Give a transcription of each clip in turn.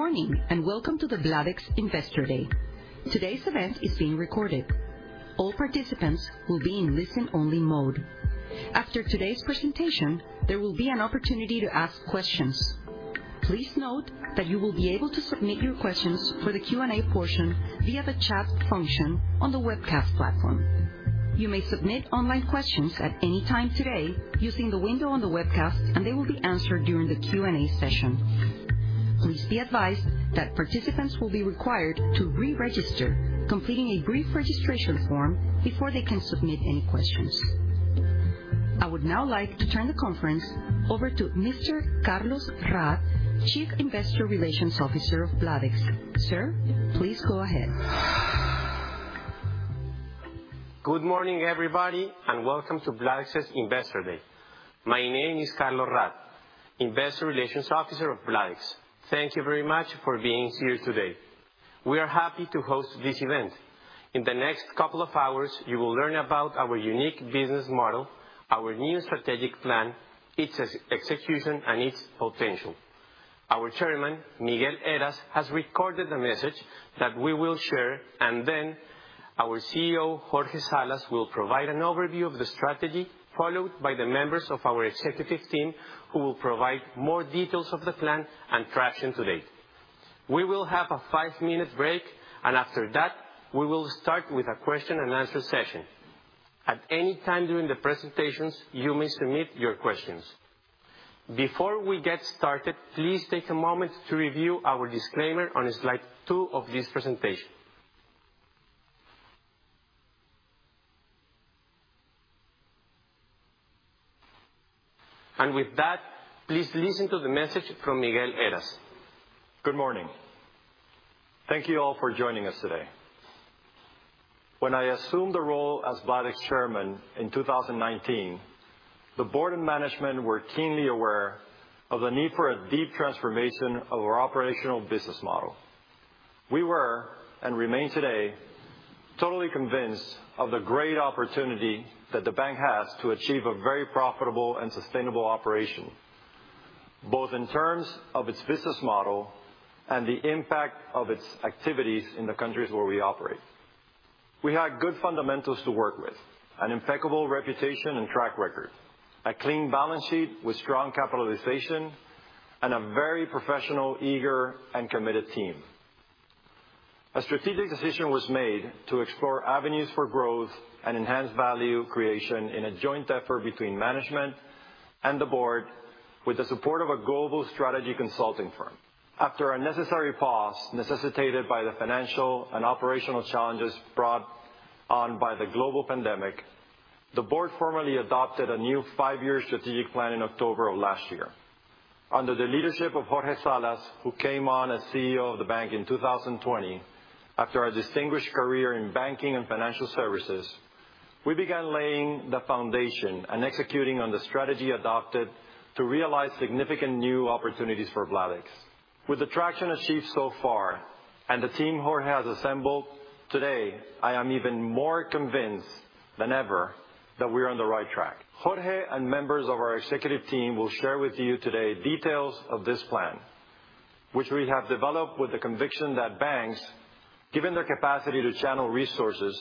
Good morning, and welcome to the Bladex Investor Day. Today's event is being recorded. All participants will be in listen-only mode. After today's presentation, there will be an opportunity to ask questions. Please note that you will be able to submit your questions for the Q&A portion via the chat function on the webcast platform. You may submit online questions at any time today using the window on the webcast, and they will be answered during the Q&A session. Please be advised that participants will be required to re-register, completing a brief registration form before they can submit any questions. I would now like to turn the conference over to Mr. Carlos Raad, Chief Investor Relations Officer of Bladex. Sir, please go ahead. Good morning, everybody, and welcome to Bladex's Investor Day. My name is Carlos Raad, Investor Relations Officer of Bladex. Thank you very much for being here today. We are happy to host this event. In the next couple of hours, you will learn about our unique business model, our new strategic plan, its execution, and its potential. Our Chairman, Miguel Heras, has recorded a message that we will share, and then our CEO, Jorge Salas, will provide an overview of the strategy, followed by the members of our executive team, who will provide more details of the plan and traction to date. We will have a five-minute break, and after that, we will start with a question-and-answer session. At any time during the presentations, you may submit your questions. Before we get started, please take a moment to review our disclaimer on slide two of this presentation. With that, please listen to the message from Miguel Heras. Good morning. Thank you all for joining us today. When I assumed the role as Bladex Chairman in 2019, the board and management were keenly aware of the need for a deep transformation of our operational business model. We were, and remain today, totally convinced of the great opportunity that the bank has to achieve a very profitable and sustainable operation, both in terms of its business model and the impact of its activities in the countries where we operate. We had good fundamentals to work with, an impeccable reputation and track record, a clean balance sheet with strong capitalization, and a very professional, eager, and committed team. A strategic decision was made to explore avenues for growth and enhanced value creation in a joint effort between management and the board, with the support of a global strategy consulting firm. After a necessary pause necessitated by the financial and operational challenges brought on by the global pandemic, the board formally adopted a new five-year strategic plan in October of last year. Under the leadership of Jorge Salas, who came on as CEO of the bank in 2020 after a distinguished career in banking and financial services, we began laying the foundation and executing on the strategy adopted to realize significant new opportunities for Bladex. With the traction achieved so far, and the team Jorge has assembled, today, I am even more convinced than ever that we're on the right track. Jorge and members of our executive team will share with you today details of this plan, which we have developed with the conviction that banks, given their capacity to channel resources,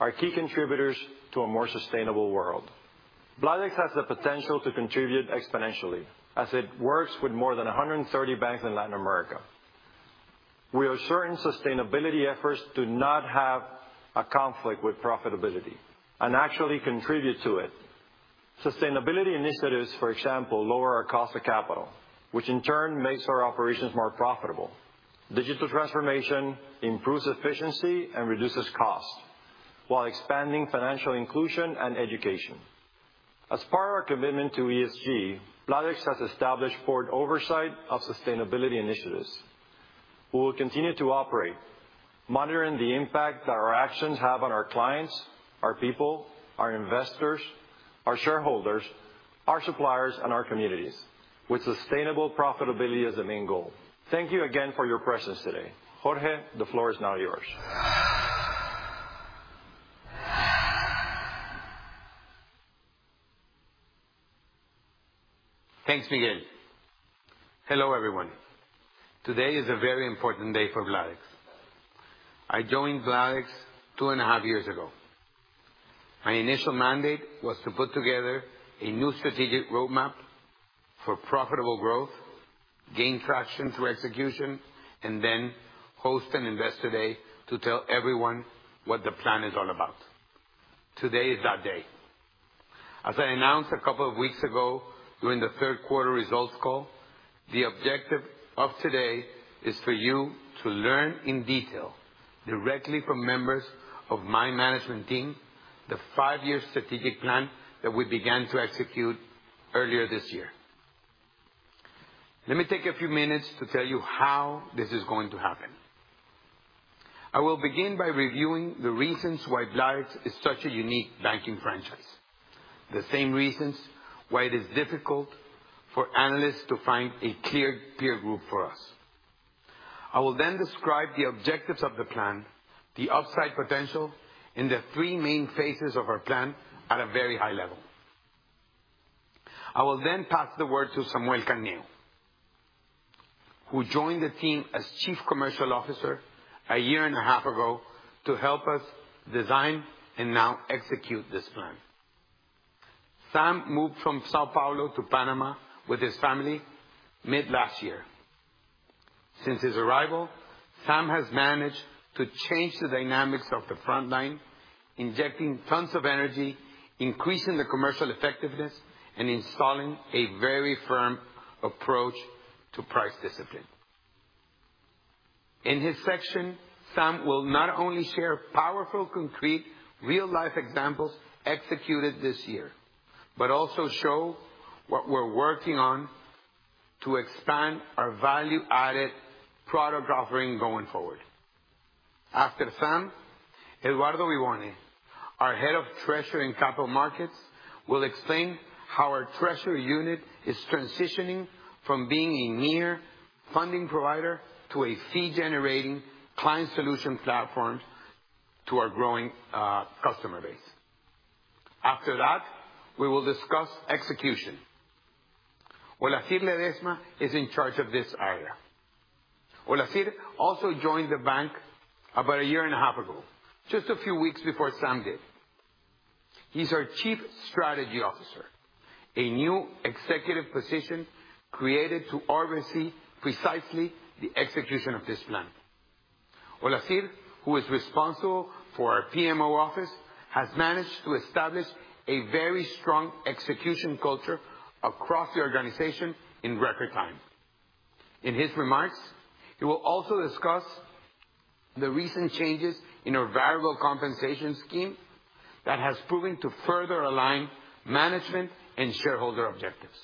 are key contributors to a more sustainable world. Bladex has the potential to contribute exponentially, as it works with more than 130 banks in Latin America. We are certain sustainability efforts do not have a conflict with profitability and actually contribute to it. Sustainability initiatives, for example, lower our cost of capital, which in turn makes our operations more profitable. Digital transformation improves efficiency and reduces cost while expanding financial inclusion and education. As part of our commitment to ESG, Bladex has established board oversight of sustainability initiatives. We will continue to operate, monitoring the impact that our actions have on our clients, our people, our investors, our shareholders, our suppliers, and our communities, with sustainable profitability as the main goal. Thank you again for your presence today. Jorge, the floor is now yours. Thanks, Miguel. Hello, everyone. Today is a very important day for Bladex. I joined Bladex 2.5 years ago. My initial mandate was to put together a new strategic roadmap for profitable growth, gain traction through execution, and then host an investor day to tell everyone what the plan is all about. Today is that day. As I announced a couple of weeks ago during the third quarter results call, the objective of today is for you to learn in detail, directly from members of my management team, the five-year strategic plan that we began to execute earlier this year. Let me take a few minutes to tell you how this is going to happen. I will begin by reviewing the reasons why Bladex is such a unique banking franchise. The same reasons why it is difficult for analysts to find a clear peer group for us. I will describe the objectives of the plan, the upside potential, and the three main phases of our plan at a very high level. I will then pass the word to Samuel Canineu, who joined the team as Chief Commercial Officer a year and a half ago to help us design and now execute this plan. Sam moved from São Paulo to Panama with his family mid-last year. Since his arrival, Sam has managed to change the dynamics of the front line, injecting tons of energy, increasing the commercial effectiveness, and installing a very firm approach to price discipline. In his section, Sam will not only share powerful, concrete, real-life examples executed this year, but also show what we're working on to expand our value-added product offering going forward. After Sam, Eduardo Vivone, our Head of Treasury and Capital Markets, will explain how our treasury unit is transitioning from being a mere funding provider to a fee-generating client solution platform to our growing customer base. After that, we will discuss execution. Olazhir Ledezma is in charge of this area. Olazhir also joined the bank about a year and a half ago, just a few weeks before Sam did. He's our Chief Strategy Officer, a new executive position created to oversee precisely the execution of this plan. Olazhir, who is responsible for our PMO office, has managed to establish a very strong execution culture across the organization in record time. In his remarks, he will also discuss the recent changes in our variable compensation scheme that has proven to further align management and shareholder objectives.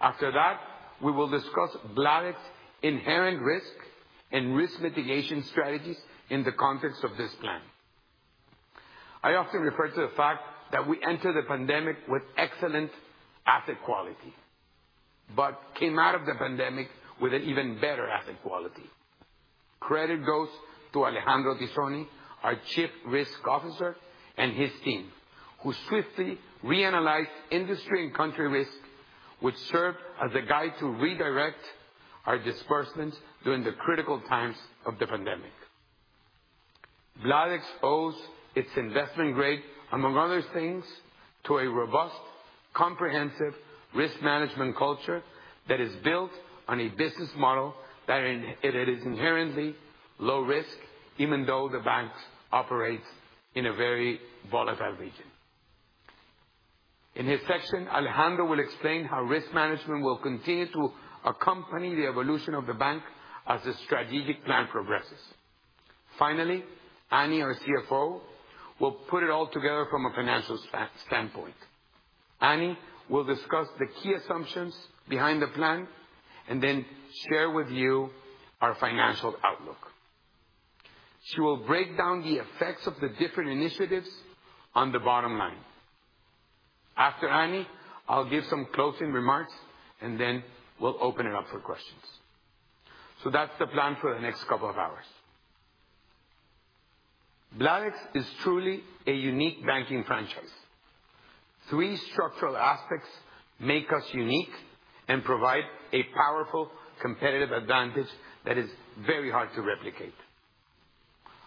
After that, we will discuss Bladex inherent risk and risk mitigation strategies in the context of this plan. I often refer to the fact that we entered the pandemic with excellent asset quality, but came out of the pandemic with an even better asset quality. Credit goes to Alejandro Tizzoni, our Chief Risk Officer, and his team, who swiftly reanalyzed industry and country risk, which served as a guide to redirect our disbursements during the critical times of the pandemic. Bladex owes its investment grade, among other things, to a robust, comprehensive risk management culture that is built on a business model that it is inherently low risk, even though the bank operates in a very volatile region. In his section, Alejandro Tizzoni will explain how risk management will continue to accompany the evolution of the bank as the strategic plan progresses. Finally, Ana de Mendez, our CFO, will put it all together from a financial standpoint. Ana de Mendez will discuss the key assumptions behind the plan and then share with you our financial outlook. She will break down the effects of the different initiatives on the bottom line. After Ana de Mendez, I'll give some closing remarks, and then we'll open it up for questions. That's the plan for the next couple of hours. Bladex is truly a unique banking franchise. Three structural aspects make us unique and provide a powerful competitive advantage that is very hard to replicate.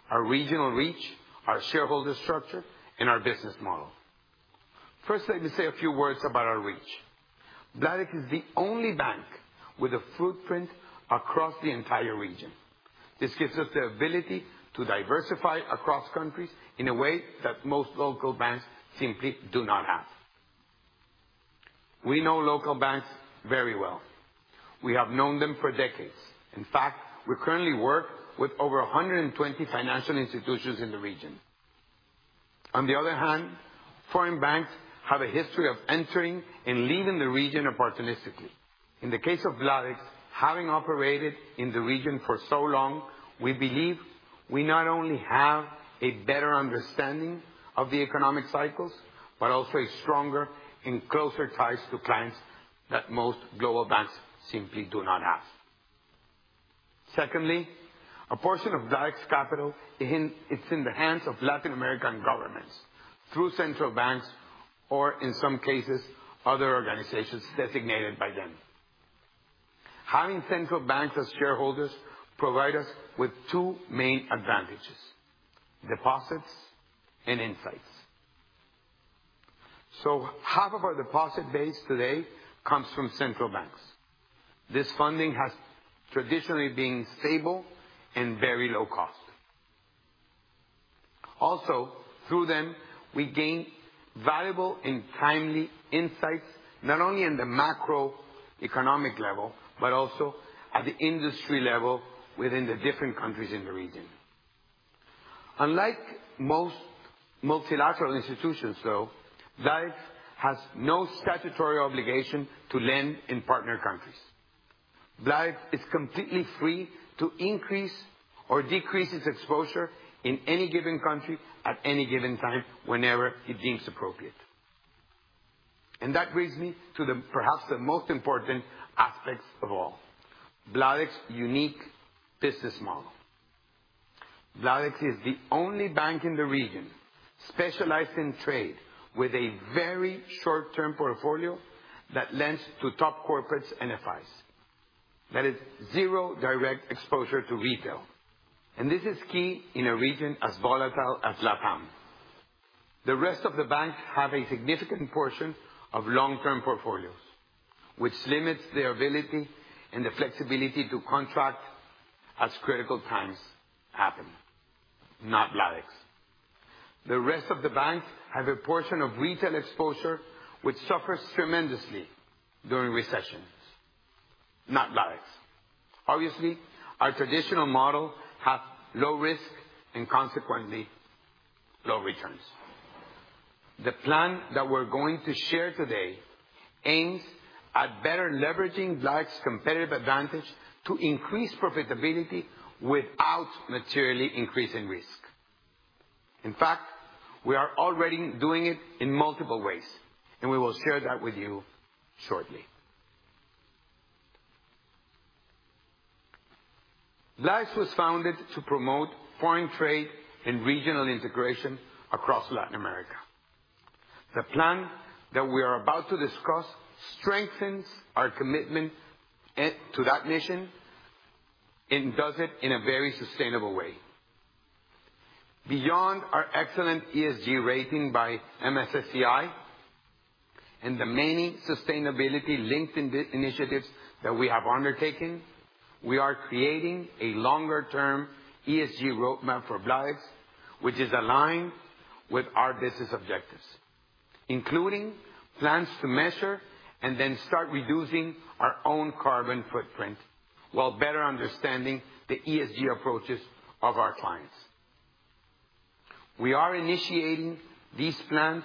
Our regional reach, our shareholder structure, and our business model. First, let me say a few words about our reach. Bladex is the only bank with a footprint across the entire region. This gives us the ability to diversify across countries in a way that most local banks simply do not have. We know local banks very well. We have known them for decades. In fact, we currently work with over 120 financial institutions in the region. On the other hand, foreign banks have a history of entering and leaving the region opportunistically. In the case of Bladex, having operated in the region for so long, we believe we not only have a better understanding of the economic cycles, but also a stronger and closer ties to clients that most global banks simply do not have. Secondly, a portion of Bladex's capital—it's in the hands of Latin American governments through central banks, or in some cases, other organizations designated by them. Having central banks as shareholders provide us with two main advantages, deposits and insights. Half of our deposit base today comes from central banks. This funding has traditionally been stable and very low cost. Also, through them, we gain valuable and timely insights, not only in the macroeconomic level, but also at the industry level within the different countries in the region. Unlike most multilateral institutions, though, Bladex has no statutory obligation to lend in partner countries. Bladex is completely free to increase or decrease its exposure in any given country at any given time, whenever it deems appropriate. That brings me to perhaps the most important aspects of all, Bladex unique business model. Bladex is the only bank in the region specialized in trade with a very short-term portfolio that lends to top corporates and FIs. That is zero direct exposure to retail, and this is key in a region as volatile as LATAM. The rest of the banks have a significant portion of long-term portfolios, which limits their ability and the flexibility to contract as critical times happen. Not Bladex. The rest of the banks have a portion of retail exposure, which suffers tremendously during recessions. Not Bladex. Obviously, our traditional model have low risk and consequently low returns. The plan that we're going to share today aims at better leveraging Bladex's competitive advantage to increase profitability without materially increasing risk. In fact, we are already doing it in multiple ways, and we will share that with you shortly. Bladex was founded to promote foreign trade and regional integration across Latin America. The plan that we are about to discuss strengthens our commitment to that mission and does it in a very sustainable way. Beyond our excellent ESG rating by MSCI and the many sustainability-linked initiatives that we have undertaken, we are creating a longer-term ESG roadmap for Bladex, which is aligned with our business objectives, including plans to measure and then start reducing our own carbon footprint while better understanding the ESG approaches of our clients. We are initiating these plans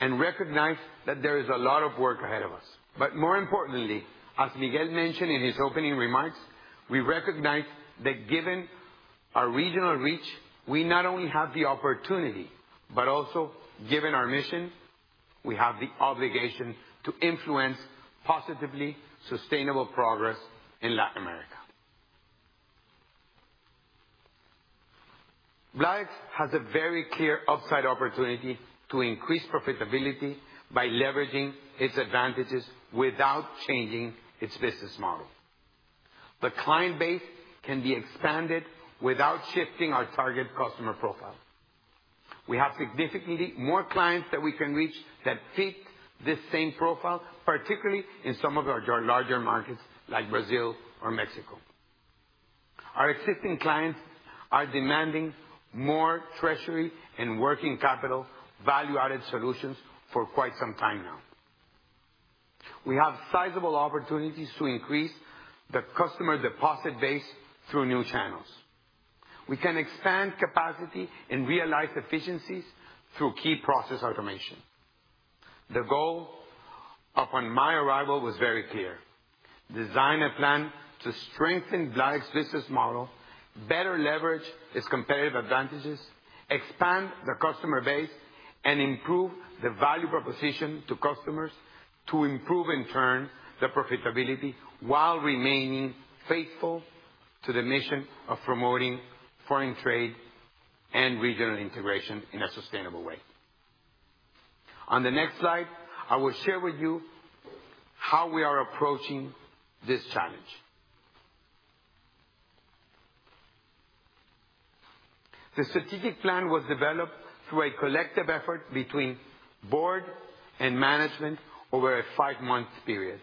and recognize that there is a lot of work ahead of us. More importantly, as Miguel mentioned in his opening remarks, we recognize that given our regional reach, we not only have the opportunity, but also, given our mission, we have the obligation to influence positively sustainable progress in Latin America. Bladex has a very clear upside opportunity to increase profitability by leveraging its advantages without changing its business model. The client base can be expanded without shifting our target customer profile. We have significantly more clients that we can reach that fit this same profile, particularly in some of our larger markets like Brazil or Mexico. Our existing clients are demanding more treasury and working capital value-added solutions for quite some time now. We have sizable opportunities to increase the customer deposit base through new channels. We can expand capacity and realize efficiencies through key process automation. The goal upon my arrival was very clear: Design a plan to strengthen Bladex business model, better leverage its competitive advantages, expand the customer base, and improve the value proposition to customers to improve, in turn, the profitability while remaining faithful to the mission of promoting foreign trade and regional integration in a sustainable way. On the next slide, I will share with you how we are approaching this challenge. The strategic plan was developed through a collective effort between board and management over a five-month period.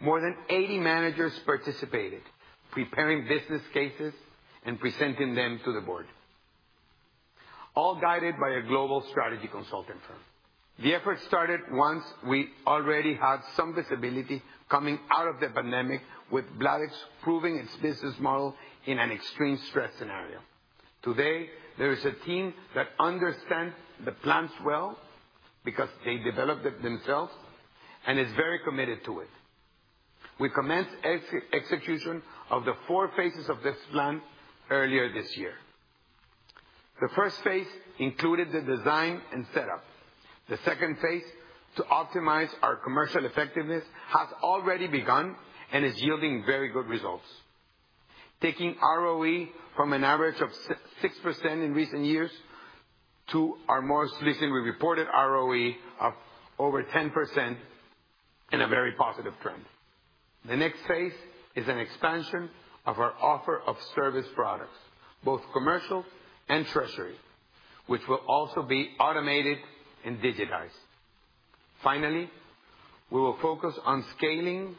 More than 80 managers participated, preparing business cases and presenting them to the board, all guided by a global strategy consulting firm. The effort started once we already had some visibility coming out of the pandemic with Bladex proving its business model in an extreme stress scenario. Today, there is a team that understands the plans well because they developed it themselves and is very committed to it. We commenced execution of the 4 phases of this plan earlier this year. The first phase included the design and setup. The second phase, to optimize our commercial effectiveness, has already begun and is yielding very good results. Taking ROE from an average of 6% in recent years to our most recently reported ROE of over 10% in a very positive trend. The next phase is an expansion of our offer of service products, both commercial and treasury, which will also be automated and digitized. Finally, we will focus on scaling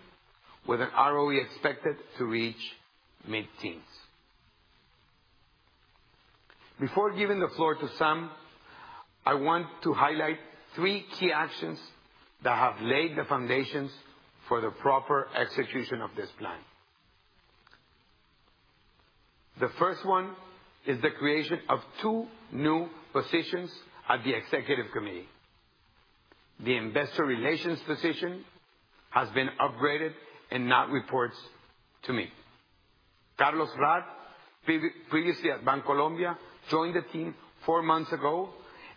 with an ROE expected to reach mid-teens. Before giving the floor to Sam, I want to highlight 3 key actions that have laid the foundations for the proper execution of this plan. The first one is the creation of two new positions at the executive committee. The investor relations position has been upgraded and now reports to me. Carlos Raad, previously at Bancolombia, joined the team four months ago.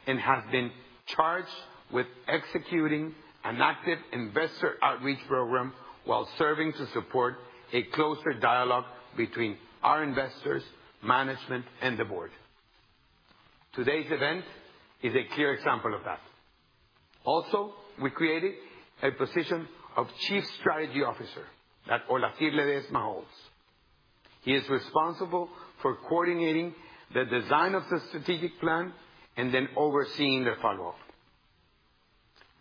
He has been charged with executing an active investor outreach program while serving to support a closer dialogue between our investors, management, and the board. Today's event is a clear example of that. Also, we created a position of Chief Strategy Officer that Olazhir Ledezma holds. He is responsible for coordinating the design of the strategic plan and then overseeing the follow-up.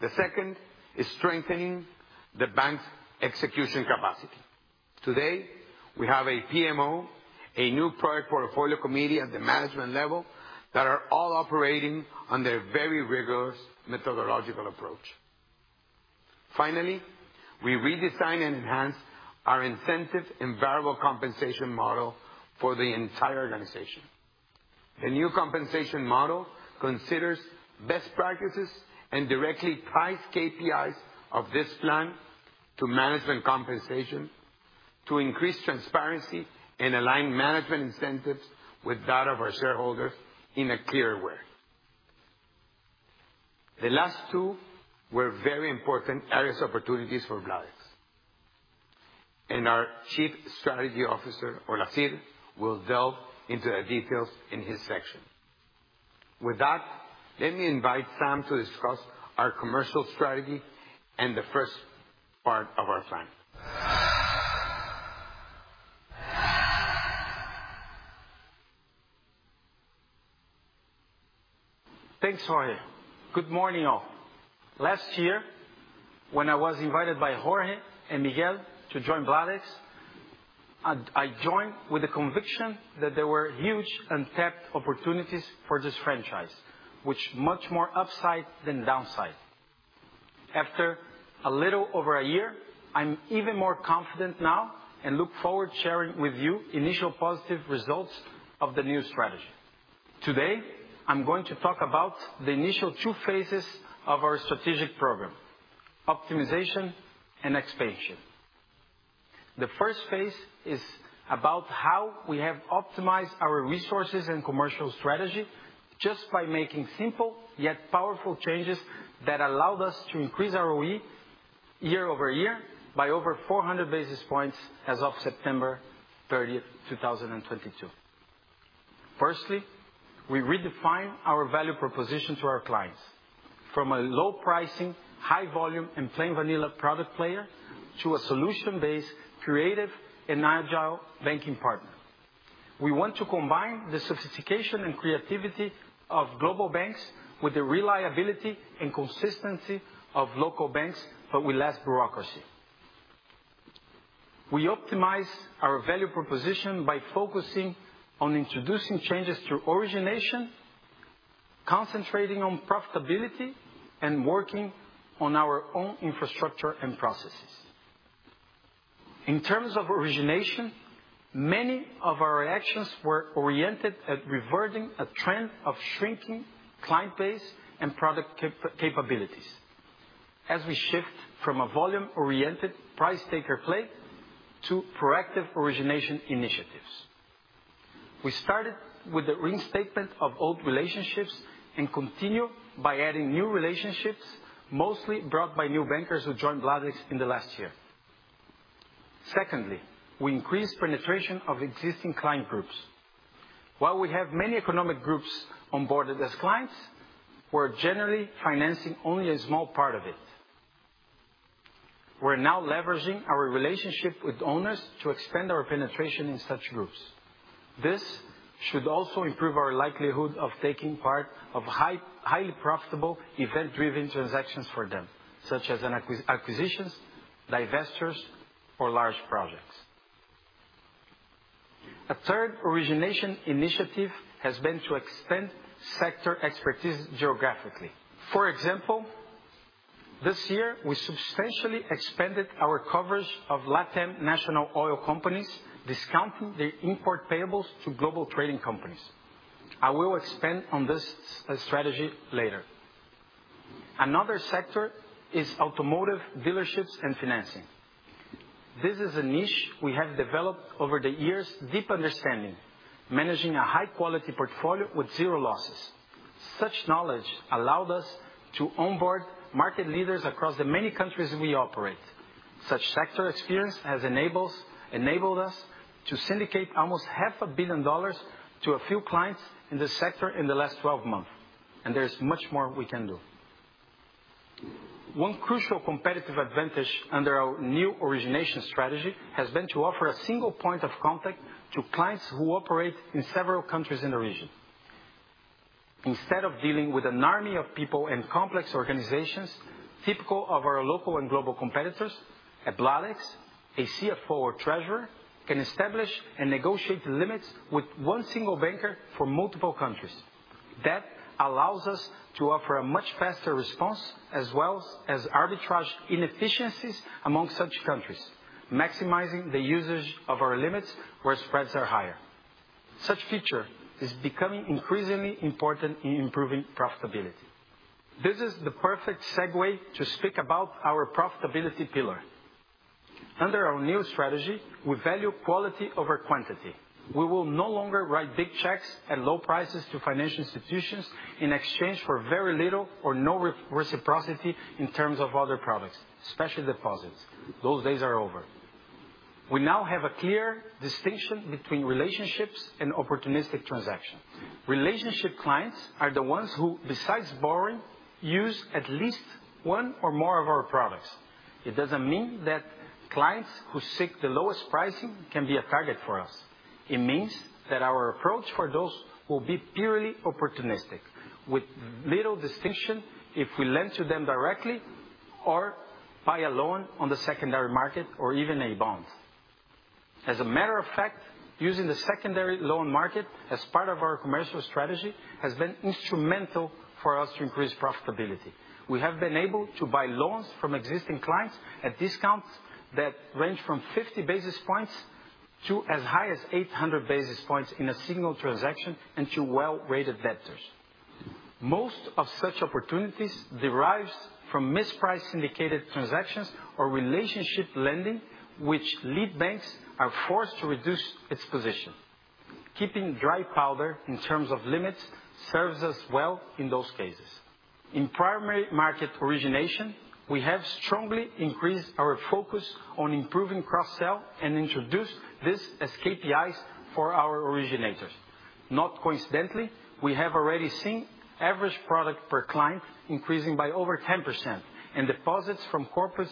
The second is strengthening the bank's execution capacity. Today, we have a PMO, a new product portfolio committee at the management level, that are all operating under a very rigorous methodological approach. Finally, we redesign and enhance our incentive and variable compensation model for the entire organization. The new compensation model considers best practices and directly ties KPIs of this plan to management compensation to increase transparency and align management incentives with that of our shareholders in a clear way. The last two were very important areas opportunities for Bladex. Our Chief Strategy Officer, Olazhir, will delve into the details in his section. With that, let me invite Sam to discuss our commercial strategy and the first part of our plan. Thanks, Jorge. Good morning, all. Last year, when I was invited by Jorge and Miguel to join Bladex, I joined with the conviction that there were huge untapped opportunities for this franchise, with much more upside than downside. After a little over a year, I'm even more confident now and look forward sharing with you initial positive results of the new strategy. Today, I'm going to talk about the initial two phases of our strategic program, optimization and expansion. The first phase is about how we have optimized our resources and commercial strategy just by making simple yet powerful changes that allowed us to increase our OE year-over-year by over 400 basis points as of September thirtieth, 2022. Firstly, we redefined our value proposition to our clients from a low pricing, high volume, and plain vanilla product player to a solution-based, creative, and agile banking partner. We want to combine the sophistication and creativity of global banks with the reliability and consistency of local banks, but with less bureaucracy. We optimize our value proposition by focusing on introducing changes through origination, concentrating on profitability, and working on our own infrastructure and processes. In terms of origination, many of our actions were oriented at reverting a trend of shrinking client base and product capabilities as we shift from a volume-oriented price taker play to proactive origination initiatives. We started with the reinstatement of old relationships and continue by adding new relationships, mostly brought by new bankers who joined Bladex in the last year. Secondly, we increased penetration of existing client groups. While we have many economic groups onboarded as clients, we're generally financing only a small part of it. We're now leveraging our relationship with owners to expand our penetration in such groups. This should also improve our likelihood of taking part in highly profitable event-driven transactions for them, such as acquisitions, divestitures, or large projects. A third origination initiative has been to extend sector expertise geographically. For example, this year, we substantially expanded our coverage of LATAM national oil companies, discounting the import payables to global trading companies. I will expand on this strategy later. Another sector is automotive dealerships and financing. This is a niche we have developed over the years, deep understanding, managing a high-quality portfolio with zero losses. Such knowledge allowed us to onboard market leaders across the many countries we operate. Such sector experience has enabled us to syndicate almost $0.5 Billion to a few clients in this sector in the last 12 months, and there is much more we can do. One crucial competitive advantage under our new origination strategy has been to offer a single point of contact to clients who operate in several countries in the region. Instead of dealing with an army of people and complex organizations, typical of our local and global competitors, at Bladex, a CFO treasurer can establish and negotiate limits with one single banker for multiple countries. That allows us to offer a much faster response, as well as arbitrage inefficiencies among such countries, maximizing the usage of our limits where spreads are higher. Such feature is becoming increasingly important in improving profitability. This is the perfect segue to speak about our profitability pillar. Under our new strategy, we value quality over quantity. We will no longer write big checks at low prices to financial institutions in exchange for very little or no reciprocity in terms of other products, especially deposits. Those days are over. We now have a clear distinction between relationships and opportunistic transactions. Relationship clients are the ones who, besides borrowing, use at least one or more of our products. It doesn't mean that clients who seek the lowest pricing can be a target for us. It means that our approach for those will be purely opportunistic, with little distinction if we lend to them directly or buy a loan on the secondary market or even a bond. As a matter of fact, using the secondary loan market as part of our commercial strategy has been instrumental for us to increase profitability. We have been able to buy loans from existing clients at discounts that range from 50 basis points to as high as 800 basis points in a single transaction, and to well-rated debtors. Most of such opportunities derives from mispriced syndicated transactions or relationship lending, which lead banks are forced to reduce its position. Keeping dry powder in terms of limits serves us well in those cases. In primary market origination, we have strongly increased our focus on improving cross-sell and introduced this as KPIs for our originators. Not coincidentally, we have already seen average product per client increasing by over 10%, and deposits from corporates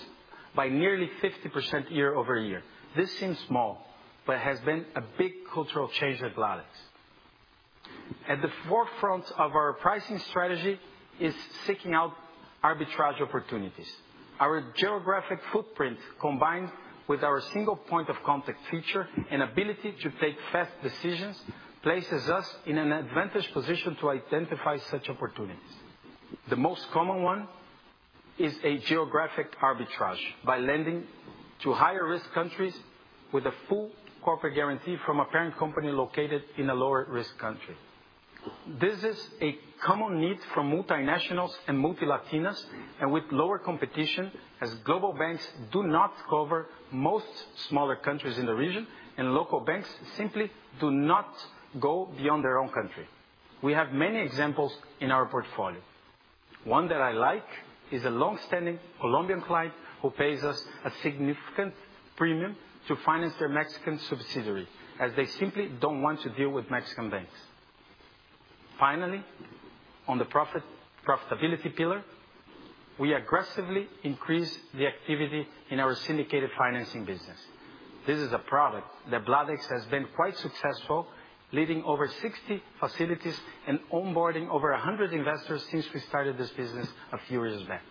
by nearly 50% year-over-year. This seems small, but has been a big cultural change at Bladex. At the forefront of our pricing strategy is seeking out arbitrage opportunities. Our geographic footprint, combined with our single point of contact feature and ability to take fast decisions, places us in an advantage position to identify such opportunities. The most common one is a geographic arbitrage by lending to higher risk countries with a full corporate guarantee from a parent company located in a lower risk country. This is a common need for multinationals and Multilatinas, and with lower competition, as global banks do not cover most smaller countries in the region, and local banks simply do not go beyond their own country. We have many examples in our portfolio. One that I like is a long-standing Colombian client who pays us a significant premium to finance their Mexican subsidiary, as they simply don't want to deal with Mexican banks. Finally, on the profit-profitability pillar, we aggressively increase the activity in our syndicated financing business. This is a product that Bladex has been quite successful, leading over 60 facilities and onboarding over 100 investors since we started this business a few years back.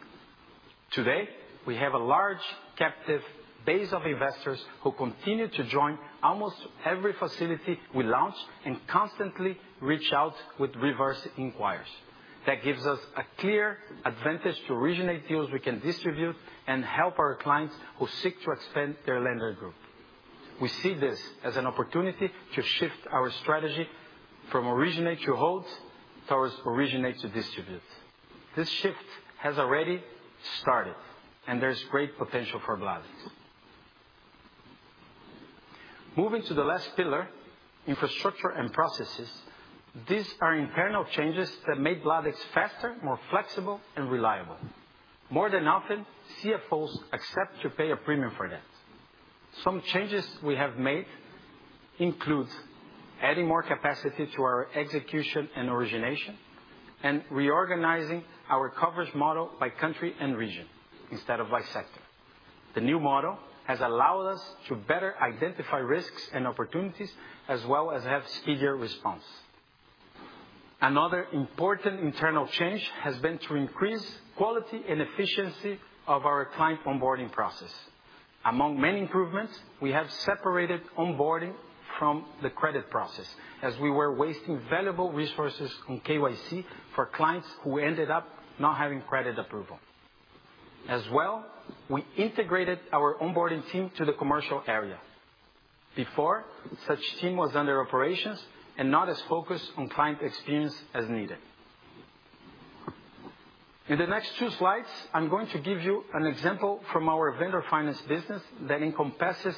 Today, we have a large captive base of investors who continue to join almost every facility we launch and constantly reach out with reverse inquiries. That gives us a clear advantage to originate deals we can distribute and help our clients who seek to expand their lender group. We see this as an opportunity to shift our strategy from originate to hold towards originate to distribute. This shift has already started, and there's great potential for Bladex. Moving to the last pillar, infrastructure and processes. These are internal changes that make Bladex faster, more flexible, and reliable. More than often, CFOs accept to pay a premium for that. Some changes we have made includes adding more capacity to our execution and origination, and reorganizing our coverage model by country and region instead of by sector. The new model has allowed us to better identify risks and opportunities as well as have speedier response. Another important internal change has been to increase quality and efficiency of our client onboarding process. Among many improvements, we have separated onboarding from the credit process, as we were wasting valuable resources on KYC for clients who ended up not having credit approval. As well, we integrated our onboarding team to the commercial area. Before, such team was under operations and not as focused on client experience as needed. In the next two slides, I'm going to give you an example from our vendor finance business that encompasses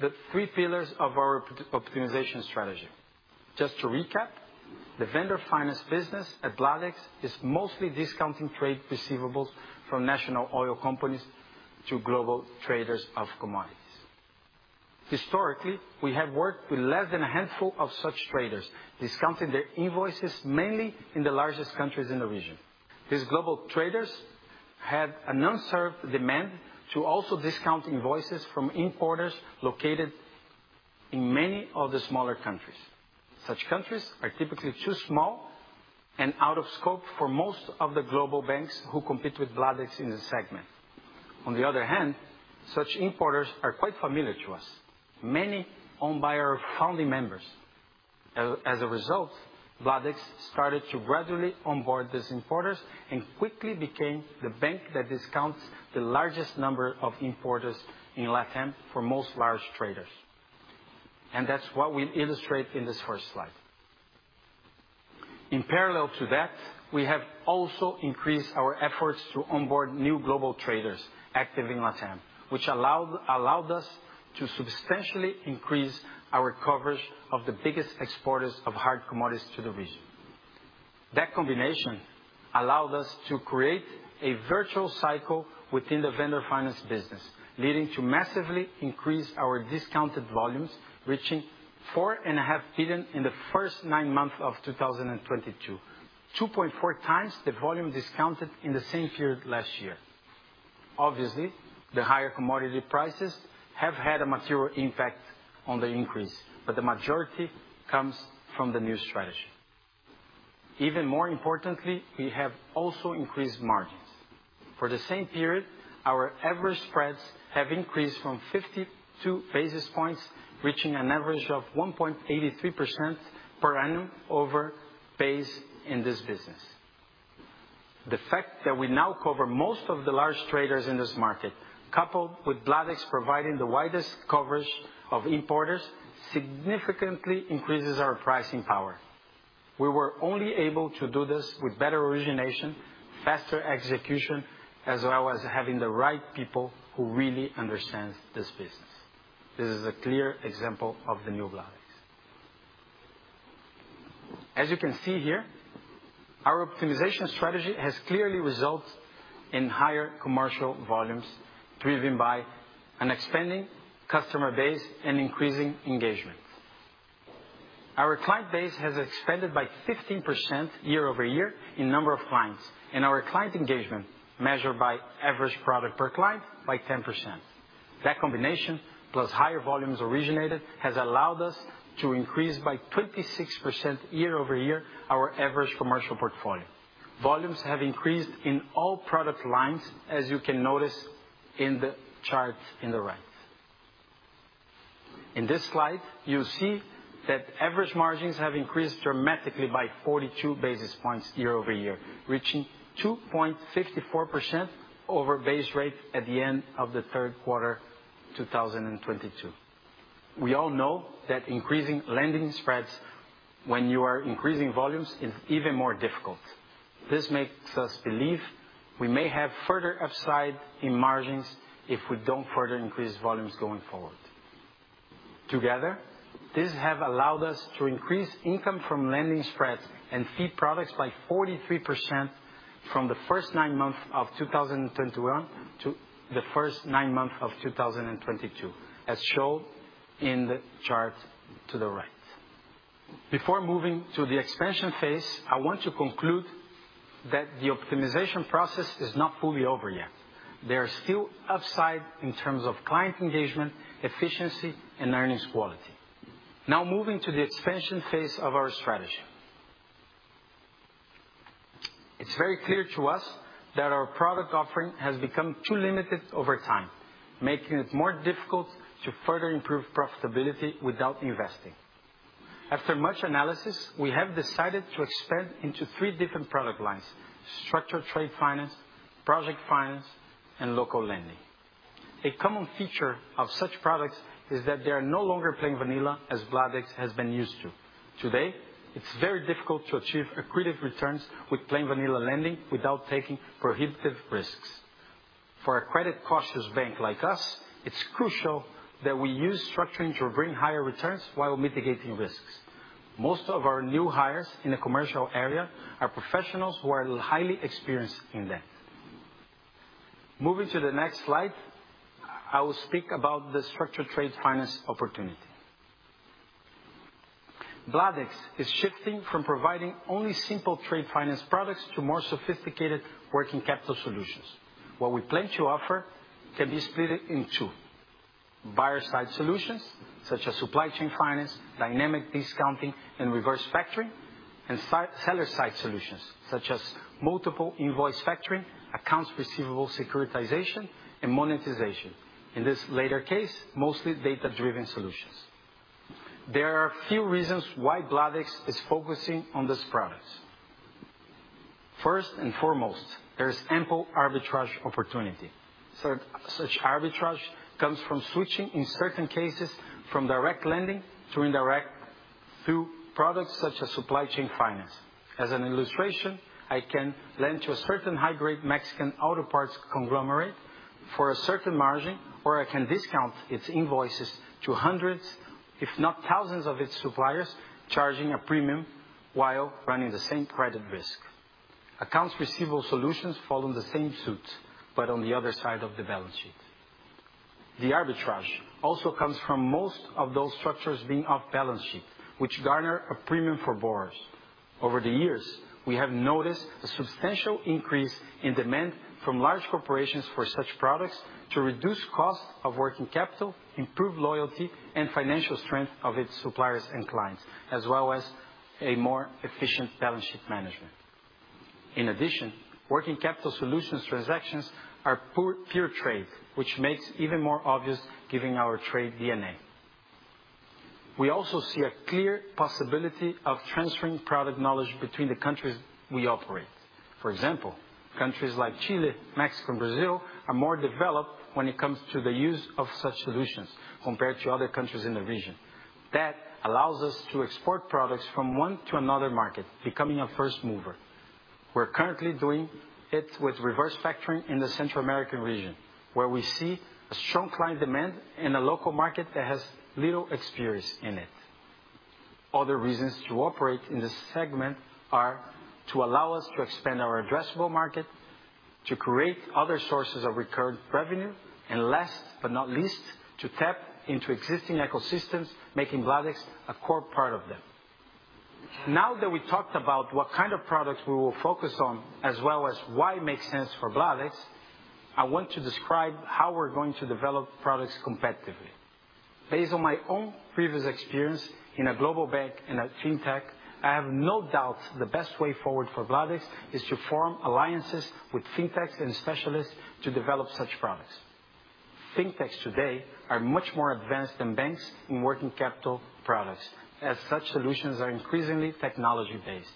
the three pillars of our optimization strategy. Just to recap, the vendor finance business at Bladex is mostly discounting trade receivables from national oil companies to global traders of commodities. Historically, we have worked with less than a handful of such traders, discounting their invoices mainly in the largest countries in the region. These global traders have an unserved demand to also discount invoices from importers located in many of the smaller countries. Such countries are typically too small and out of scope for most of the global banks who compete with Bladex in this segment. On the other hand, such importers are quite familiar to us, many owned by our founding members. As a result, Bladex started to gradually onboard these importers and quickly became the bank that discounts the largest number of importers in LATAM for most large traders. That's what we illustrate in this first slide. In parallel to that, we have also increased our efforts to onboard new global traders active in LATAM, which allowed us to substantially increase our coverage of the biggest exporters of hard commodities to the region. That combination allowed us to create a virtuous cycle within the vendor finance business, leading to massively increase our discounted volumes, reaching $4.5 billion in the first nine months of 2022, 2.4 times the volume discounted in the same period last year. Obviously, the higher commodity prices have had a material impact on the increase, but the majority comes from the new strategy. Even more importantly, we have also increased margins. For the same period, our average spreads have increased from 52 basis points, reaching an average of 1.83% per annum over base in this business. The fact that we now cover most of the large traders in this market, coupled with Bladex providing the widest coverage of importers, significantly increases our pricing power. We were only able to do this with better origination, faster execution, as well as having the right people who really understand this business. This is a clear example of the new Bladex. As you can see here, our optimization strategy has clearly resulted in higher commercial volumes, driven by an expanding customer base and increasing engagement. Our client base has expanded by 15% year-over-year in number of clients, and our client engagement measured by average product per client by 10%. That combination, plus higher volumes originated, has allowed us to increase by 26% year-over-year our average commercial portfolio. Volumes have increased in all product lines, as you can notice in the chart on the right. In this slide, you'll see that average margins have increased dramatically by 42 basis points year-over-year, reaching 2.54% over base rate at the end of the third quarter, 2022. We all know that increasing lending spreads when you are increasing volumes is even more difficult. This makes us believe we may have further upside in margins if we don't further increase volumes going forward. Together, these have allowed us to increase income from lending spreads and fee products by 43% from the first nine months of 2021 to the first nine months of 2022, as shown in the chart to the right. Before moving to the expansion phase, I want to conclude that the optimization process is not fully over yet. There is still upside in terms of client engagement, efficiency, and earnings quality. Now moving to the expansion phase of our strategy. It's very clear to us that our product offering has become too limited over time, making it more difficult to further improve profitability without investing. After much analysis, we have decided to expand into three different product lines, structured trade finance, project finance, and local lending. A common feature of such products is that they are no longer plain vanilla as Bladex has been used to. Today, it's very difficult to achieve accretive returns with plain vanilla lending without taking prohibitive risks. For a credit-cautious bank like us, it's crucial that we use structuring to bring higher returns while mitigating risks. Most of our new hires in the commercial area are professionals who are highly experienced in that. Moving to the next slide, I will speak about the structured trade finance opportunity. Bladex is shifting from providing only simple trade finance products to more sophisticated working capital solutions. What we plan to offer can be split in two. Buyer-side solutions, such as supply chain finance, dynamic discounting, and reverse factoring. Seller-side solutions, such as multiple invoice factoring, accounts receivable, securitization, and monetization. In this latter case, mostly data-driven solutions. There are a few reasons why Bladex is focusing on this product. First and foremost, there is ample arbitrage opportunity. Such arbitrage comes from switching, in certain cases, from direct lending to indirect through products such as supply chain finance. As an illustration, I can lend to a certain high-grade Mexican auto parts conglomerate for a certain margin, or I can discount its invoices to hundreds, if not thousands of its suppliers, charging a premium while running the same credit risk. Accounts receivable solutions follow the same suit, but on the other side of the balance sheet. The arbitrage also comes from most of those structures being off balance sheet, which garner a premium for borrowers. Over the years, we have noticed a substantial increase in demand from large corporations for such products to reduce cost of working capital, improve loyalty and financial strength of its suppliers and clients, as well as a more efficient balance sheet management. In addition, working capital solutions transactions are pure trade, which makes even more obvious given our trade DNA. We also see a clear possibility of transferring product knowledge between the countries we operate. For example, countries like Chile, Mexico, and Brazil are more developed when it comes to the use of such solutions compared to other countries in the region. That allows us to export products from one to another market, becoming a first mover. We're currently doing it with reverse factoring in the Central American region, where we see a strong client demand in a local market that has little experience in it. Other reasons to operate in this segment are to allow us to expand our addressable market, to create other sources of recurrent revenue, and last but not least, to tap into existing ecosystems, making Bladex a core part of them. Now that we talked about what kind of products we will focus on, as well as why it makes sense for Bladex, I want to describe how we're going to develop products competitively. Based on my own previous experience in a global bank and a fintech, I have no doubt the best way forward for Bladex is to form alliances with fintechs and specialists to develop such products. Fintechs today are much more advanced than banks in working capital products, as such solutions are increasingly technology-based.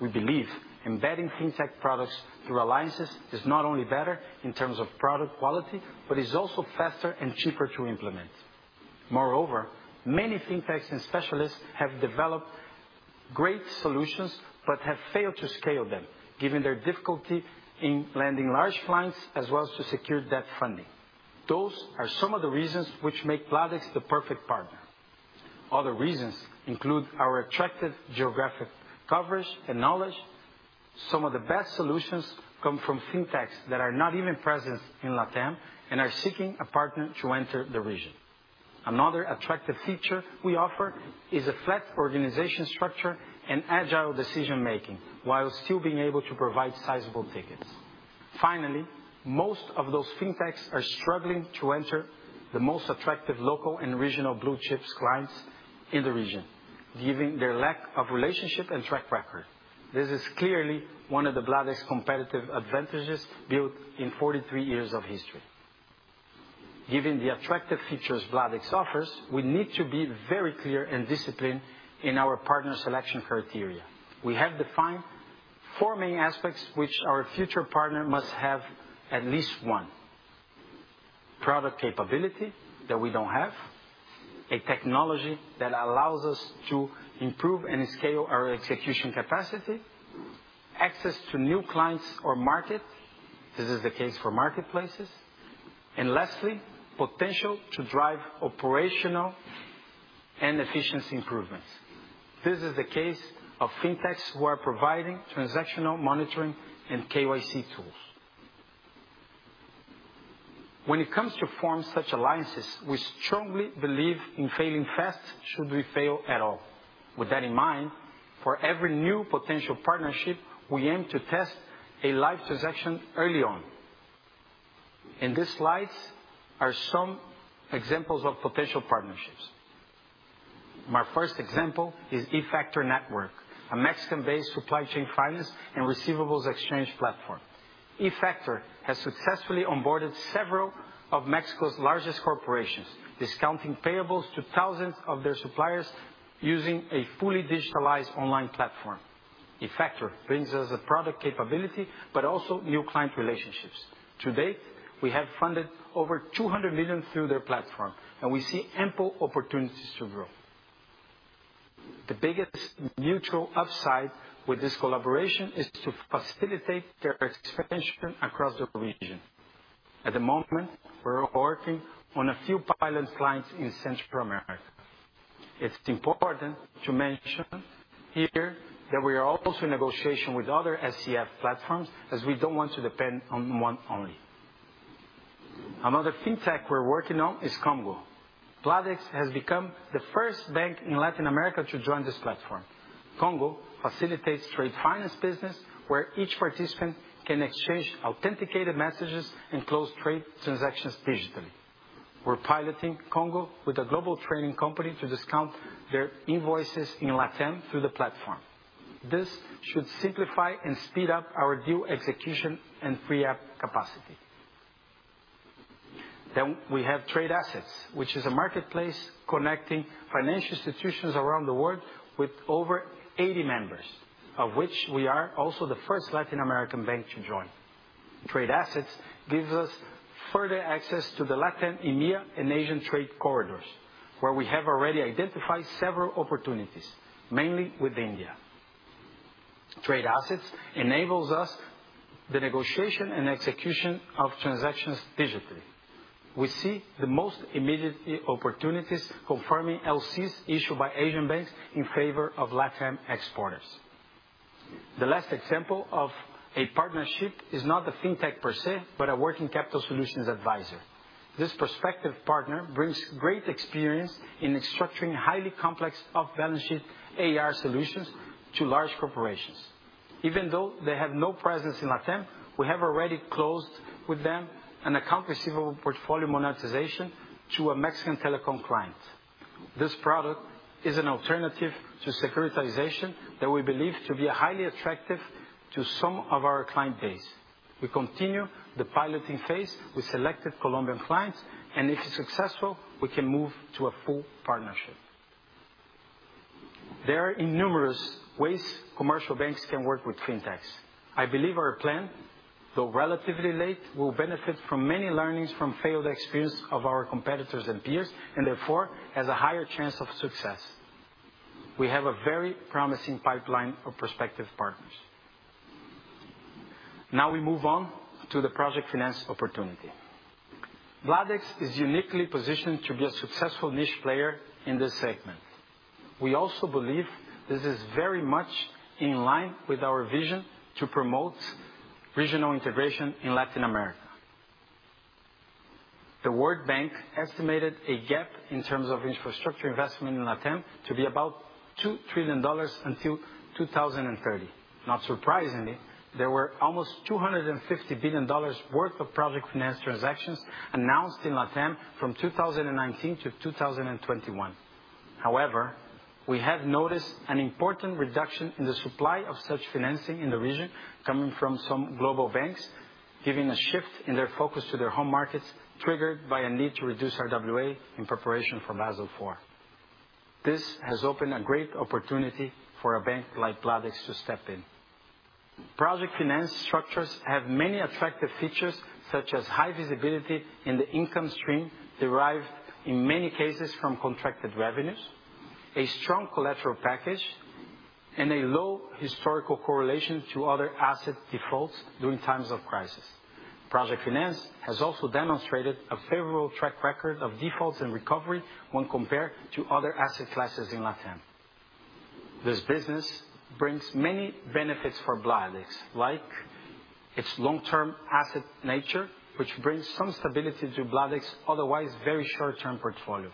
We believe embedding fintech products through alliances is not only better in terms of product quality, but is also faster and cheaper to implement. Moreover, many fintechs and specialists have developed great solutions but have failed to scale them, given their difficulty in landing large clients as well as to secure debt funding. Those are some of the reasons which make Bladex the perfect partner. Other reasons include our attractive geographic coverage and knowledge. Some of the best solutions come from fintechs that are not even present in LATAM and are seeking a partner to enter the region. Another attractive feature we offer is a flat organization structure and agile decision-making, while still being able to provide sizable tickets. Finally, most of those fintechs are struggling to enter the most attractive local and regional blue-chip clients in the region, given their lack of relationship and track record. This is clearly one of the Bladex competitive advantages built in 43 years of history. Given the attractive features Bladex offers, we need to be very clear and disciplined in our partner selection criteria. We have defined four main aspects which our future partner must have at least one, product capability that we don't have, a technology that allows us to improve and scale our execution capacity, access to new clients or market, this is the case for marketplaces, and lastly, potential to drive operational and efficiency improvements. This is the case of fintechs who are providing transactional monitoring and KYC tools. When it comes to forming such alliances, we strongly believe in failing fast should we fail at all. With that in mind, for every new potential partnership, we aim to test a live transaction early on. In these slides are some examples of potential partnerships. My first example is eFactor Network, a Mexican-based supply chain finance and receivables exchange platform. Efactor has successfully onboarded several of Mexico's largest corporations, discounting payables to thousands of their suppliers using a fully digitalized online platform. Efactor brings us a product capability but also new client relationships. To date, we have funded over $200 million through their platform, and we see ample opportunities to grow. The biggest mutual upside with this collaboration is to facilitate their expansion across the region. At the moment, we're working on a few pilot clients in Central America. It's important to mention here that we are also in negotiation with other SCF platforms, as we don't want to depend on one only. Another fintech we're working on is Komgo. Bladex has become the first bank in Latin America to join this platform. Komgo facilitates trade finance business where each participant can exchange authenticated messages and close trade transactions digitally. We're piloting Komgo with a global trading company to discount their invoices in LATAM through the platform. This should simplify and speed up our deal execution and free up capacity. We have TradeAssets, which is a marketplace connecting financial institutions around the world with over 80 members, of which we are also the first Latin American bank to join. TradeAssets gives us further access to the LATAM, EMEA, and Asian trade corridors, where we have already identified several opportunities, mainly with India. TradeAssets enables us to negotiate and execution of transactions digitally. We see the most immediate opportunities confirming LCs issued by Asian banks in favor of LATAM exporters. The last example of a partnership is not a fintech per se, but a working capital solutions advisor. This prospective partner brings great experience in structuring highly complex off-balance-sheet AR solutions to large corporations. Even though they have no presence in LATAM, we have already closed with them an account receivable portfolio monetization to a Mexican telecom client. This product is an alternative to securitization that we believe to be highly attractive to some of our client base. We continue the piloting phase with selected Colombian clients, and if successful, we can move to a full partnership. There are innumerable ways commercial banks can work with fintechs. I believe our plan, though relatively late, will benefit from many learnings from failed experience of our competitors and peers, and therefore, has a higher chance of success. We have a very promising pipeline of prospective partners. Now we move on to the project finance opportunity. Bladex is uniquely positioned to be a successful niche player in this segment. We also believe this is very much in line with our vision to promote regional integration in Latin America. The World Bank estimated a gap in terms of infrastructure investment in LATAM to be about $2 trillion until 2030. Not surprisingly, there were almost $250 billion worth of project finance transactions announced in LATAM from 2019 to 2021. However, we have noticed an important reduction in the supply of such financing in the region coming from some global banks, giving a shift in their focus to their home markets, triggered by a need to reduce RWA in preparation for Basel IV. This has opened a great opportunity for a bank like Bladex to step in. Project finance structures have many attractive features, such as high visibility in the income stream derived, in many cases, from contracted revenues, a strong collateral package, and a low historical correlation to other asset defaults during times of crisis. Project finance has also demonstrated a favorable track record of defaults and recovery when compared to other asset classes in LATAM. This business brings many benefits for Bladex, like its long-term asset nature, which brings some stability to Bladex's otherwise very short-term portfolio.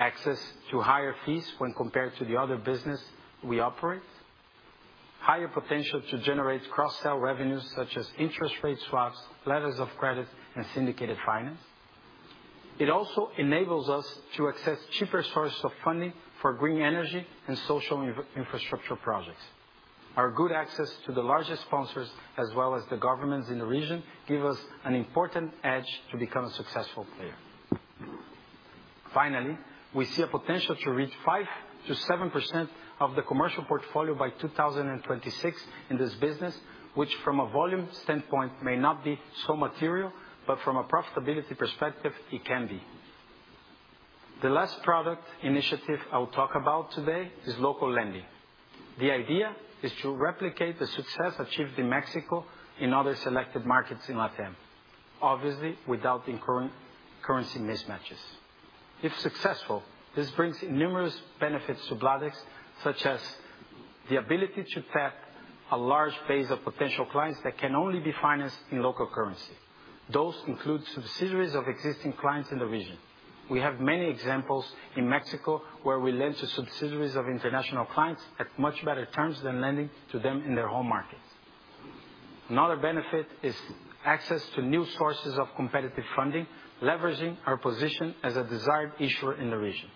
Access to higher fees when compared to the other business we operate. Higher potential to generate cross-sell revenues such as interest rate swaps, letters of credit, and syndicated finance. It also enables us to access cheaper sources of funding for green energy and social infrastructure projects. Our good access to the largest sponsors, as well as the governments in the region, give us an important edge to become a successful player. Finally, we see a potential to reach 5%-7% of the commercial portfolio by 2026 in this business, which from a volume standpoint may not be so material, but from a profitability perspective, it can be. The last product initiative I will talk about today is local lending. The idea is to replicate the success achieved in Mexico in other selected markets in LATAM, obviously, without the incurred currency mismatches. If successful, this brings numerous benefits to Bladex, such as the ability to tap a large base of potential clients that can only be financed in local currency. Those include subsidiaries of existing clients in the region. We have many examples in Mexico, where we lend to subsidiaries of international clients at much better terms than lending to them in their home markets. Another benefit is access to new sources of competitive funding, leveraging our position as a desired issuer in the region.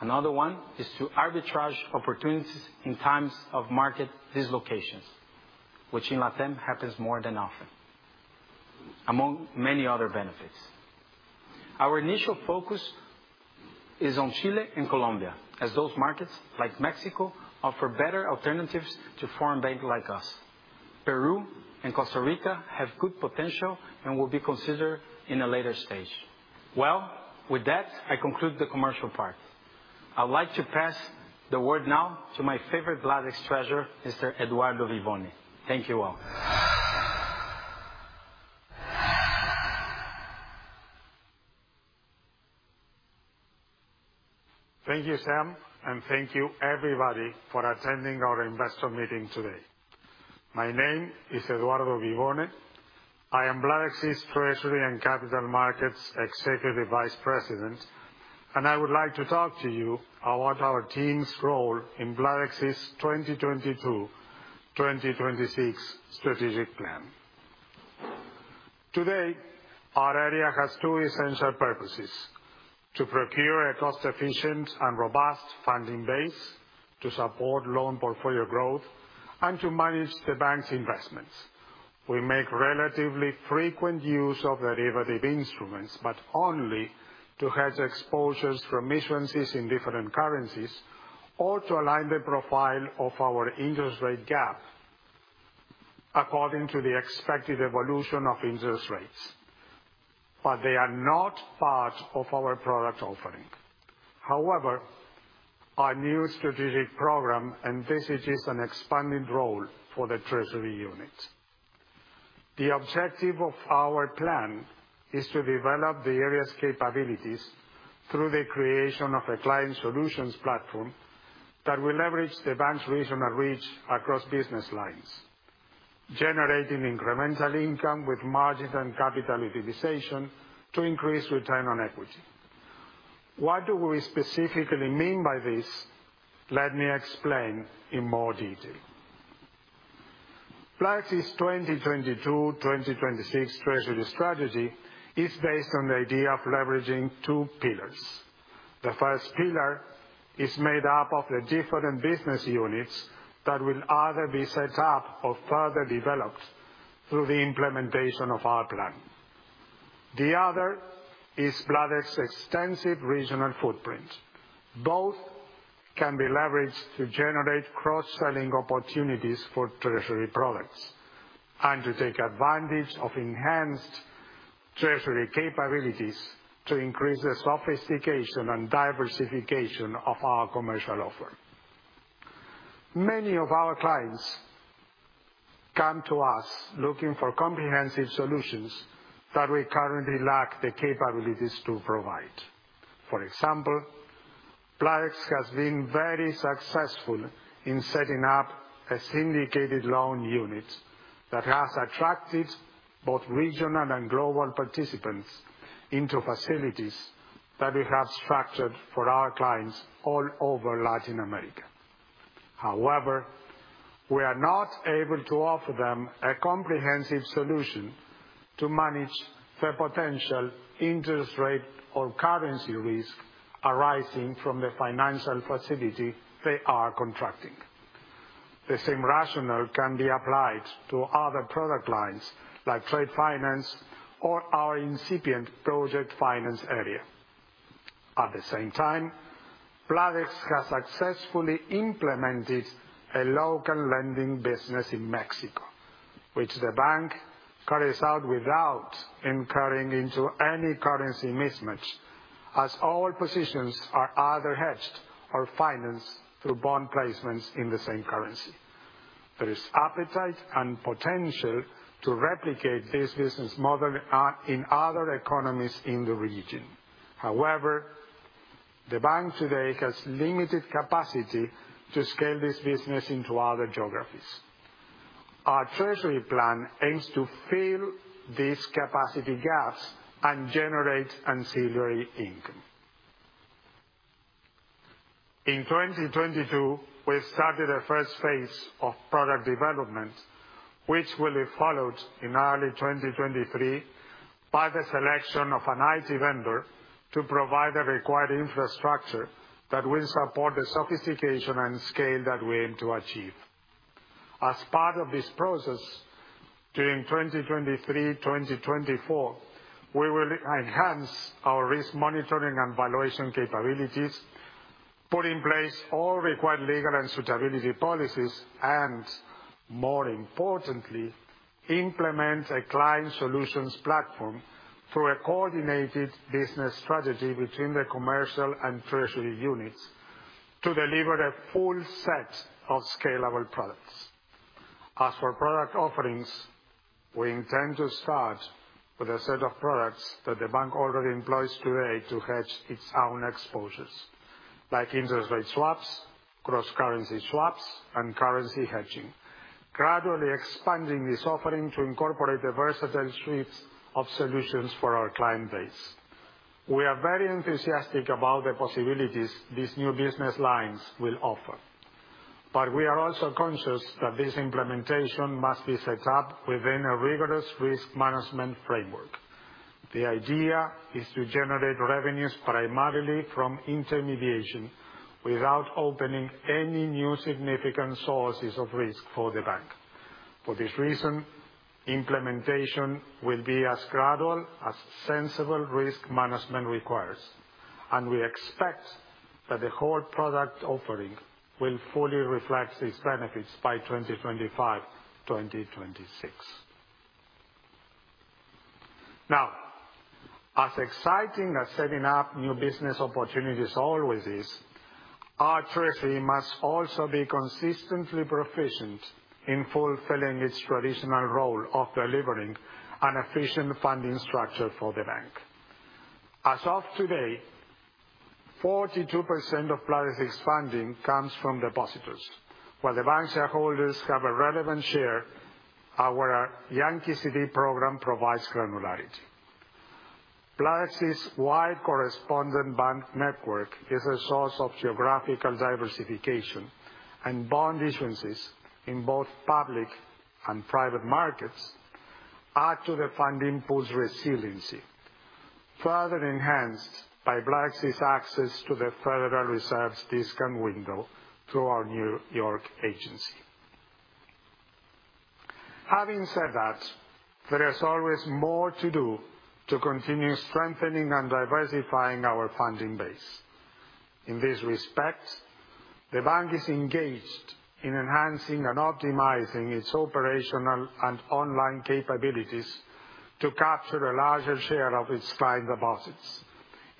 Another one is to arbitrage opportunities in times of market dislocations, which in LATAM happens more often than not, among many other benefits. Our initial focus is on Chile and Colombia, as those markets, like Mexico, offer better alternatives to foreign banks like us. Peru and Costa Rica have good potential and will be considered in a later stage. Well, with that, I conclude the commercial part. I would like to pass the word now to my favorite Bladex treasurer, Mr. Eduardo Vivone. Thank you all. Thank you, Sam, and thank you everybody for attending our investor meeting today. My name is Eduardo Vivone. I am Bladex's Treasury and Capital Markets Executive Vice President, and I would like to talk to you about our team's role in Bladex's 2022-2026 strategic plan. Today, our area has two essential purposes, to procure a cost-efficient and robust funding base to support loan portfolio growth and to manage the bank's investments. We make relatively frequent use of derivative instruments, but only to hedge exposures from issuances in different currencies or to align the profile of our interest rate gap according to the expected evolution of interest rates. They are not part of our product offering. However, our new strategic program envisages an expanded role for the treasury unit. The objective of our plan is to develop the area's capabilities through the creation of a client solutions platform that will leverage the bank's regional reach across business lines, generating incremental income with margins and capital utilization to increase return on equity. What do we specifically mean by this? Let me explain in more detail. Bladex's 2022-2026 treasury strategy is based on the idea of leveraging two pillars. The first pillar is made up of the different business units that will either be set up or further developed through the implementation of our plan. The other is Bladex's extensive regional footprint. Both can be leveraged to generate cross-selling opportunities for treasury products, and to take advantage of enhanced treasury capabilities to increase the sophistication and diversification of our commercial offer. Many of our clients come to us looking for comprehensive solutions that we currently lack the capabilities to provide. For example, Bladex has been very successful in setting up a syndicated loan unit that has attracted both regional and global participants into facilities that we have structured for our clients all over Latin America. However, we are not able to offer them a comprehensive solution to manage the potential interest rate or currency risk arising from the financial facility they are contracting. The same rationale can be applied to other product lines, like trade finance or our incipient project finance area. At the same time, Bladex has successfully implemented a local lending business in Mexico, which the bank carries out without incurring into any currency mismatch, as all positions are either hedged or financed through bond placements in the same currency. There is appetite and potential to replicate this business model in other economies in the region. However, the bank today has limited capacity to scale this business into other geographies. Our treasury plan aims to fill these capacity gaps and generate ancillary income. In 2022, we started a first phase of product development, which will be followed in early 2023 by the selection of an IT vendor to provide the required infrastructure that will support the sophistication and scale that we aim to achieve. As part of this process, during 2023/2024, we will enhance our risk monitoring and valuation capabilities, put in place all required legal and suitability policies, and more importantly, implement a client solutions platform through a coordinated business strategy between the commercial and treasury units to deliver a full set of scalable products. As for product offerings, we intend to start with a set of products that the bank already employs today to hedge its own exposures, like interest rate swaps, cross-currency swaps, and currency hedging. Gradually expanding this offering to incorporate a versatile suite of solutions for our client base. We are very enthusiastic about the possibilities these new business lines will offer, but we are also conscious that this implementation must be set up within a rigorous risk management framework. The idea is to generate revenues primarily from intermediation without opening any new significant sources of risk for the bank. For this reason, implementation will be as gradual as sensible risk management requires, and we expect that the whole product offering will fully reflect these benefits by 2025/2026. Now, as exciting as setting up new business opportunities always is, our treasury must also be consistently proficient in fulfilling its traditional role of delivering an efficient funding structure for the bank. As of today, 42% of Bladex's funding comes from depositors. While the bank shareholders have a relevant share, our Yankee CD program provides granularity. Bladex's wide correspondent bank network is a source of geographical diversification, and bond issuances in both public and private markets add to the funding pool's resiliency, further enhanced by Bladex's access to the Federal Reserve's discount window through our New York agency. Having said that, there is always more to do to continue strengthening and diversifying our funding base. In this respect, the bank is engaged in enhancing and optimizing its operational and online capabilities to capture a larger share of its client deposits,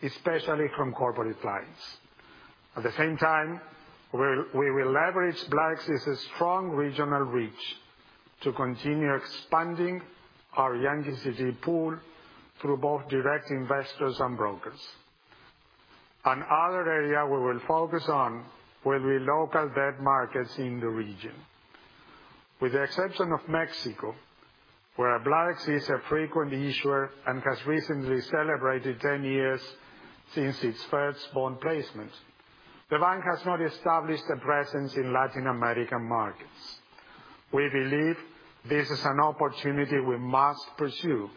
especially from corporate clients. At the same time, we will leverage Bladex's strong regional reach to continue expanding our Yankee CD pool through both direct investors and brokers. Another area we will focus on will be local debt markets in the region. With the exception of Mexico, where Bladex is a frequent issuer and has recently celebrated 10 years since its first bond placement, the bank has not established a presence in Latin American markets. We believe this is an opportunity we must pursue,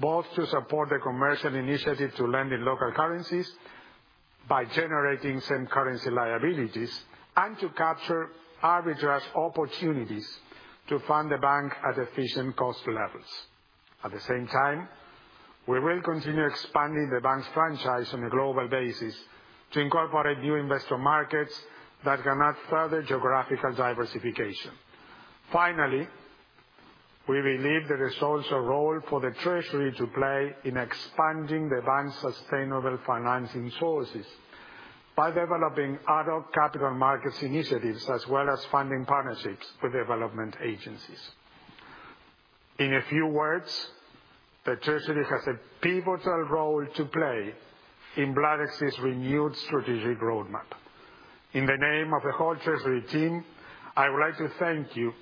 both to support the commercial initiative to lend in local currencies. By generating some currency liabilities and to capture arbitrage opportunities to fund the bank at efficient cost levels. At the same time, we will continue expanding the bank's franchise on a global basis to incorporate new investor markets that can add further geographical diversification. Finally, we believe there is also a role for the treasury to play in expanding the bank's sustainable financing sources by developing other capital markets initiatives as well as funding partnerships with development agencies. In a few words, the treasury has a pivotal role to play in Bladex's renewed strategic roadmap. In the name of the whole treasury team, I would like to thank you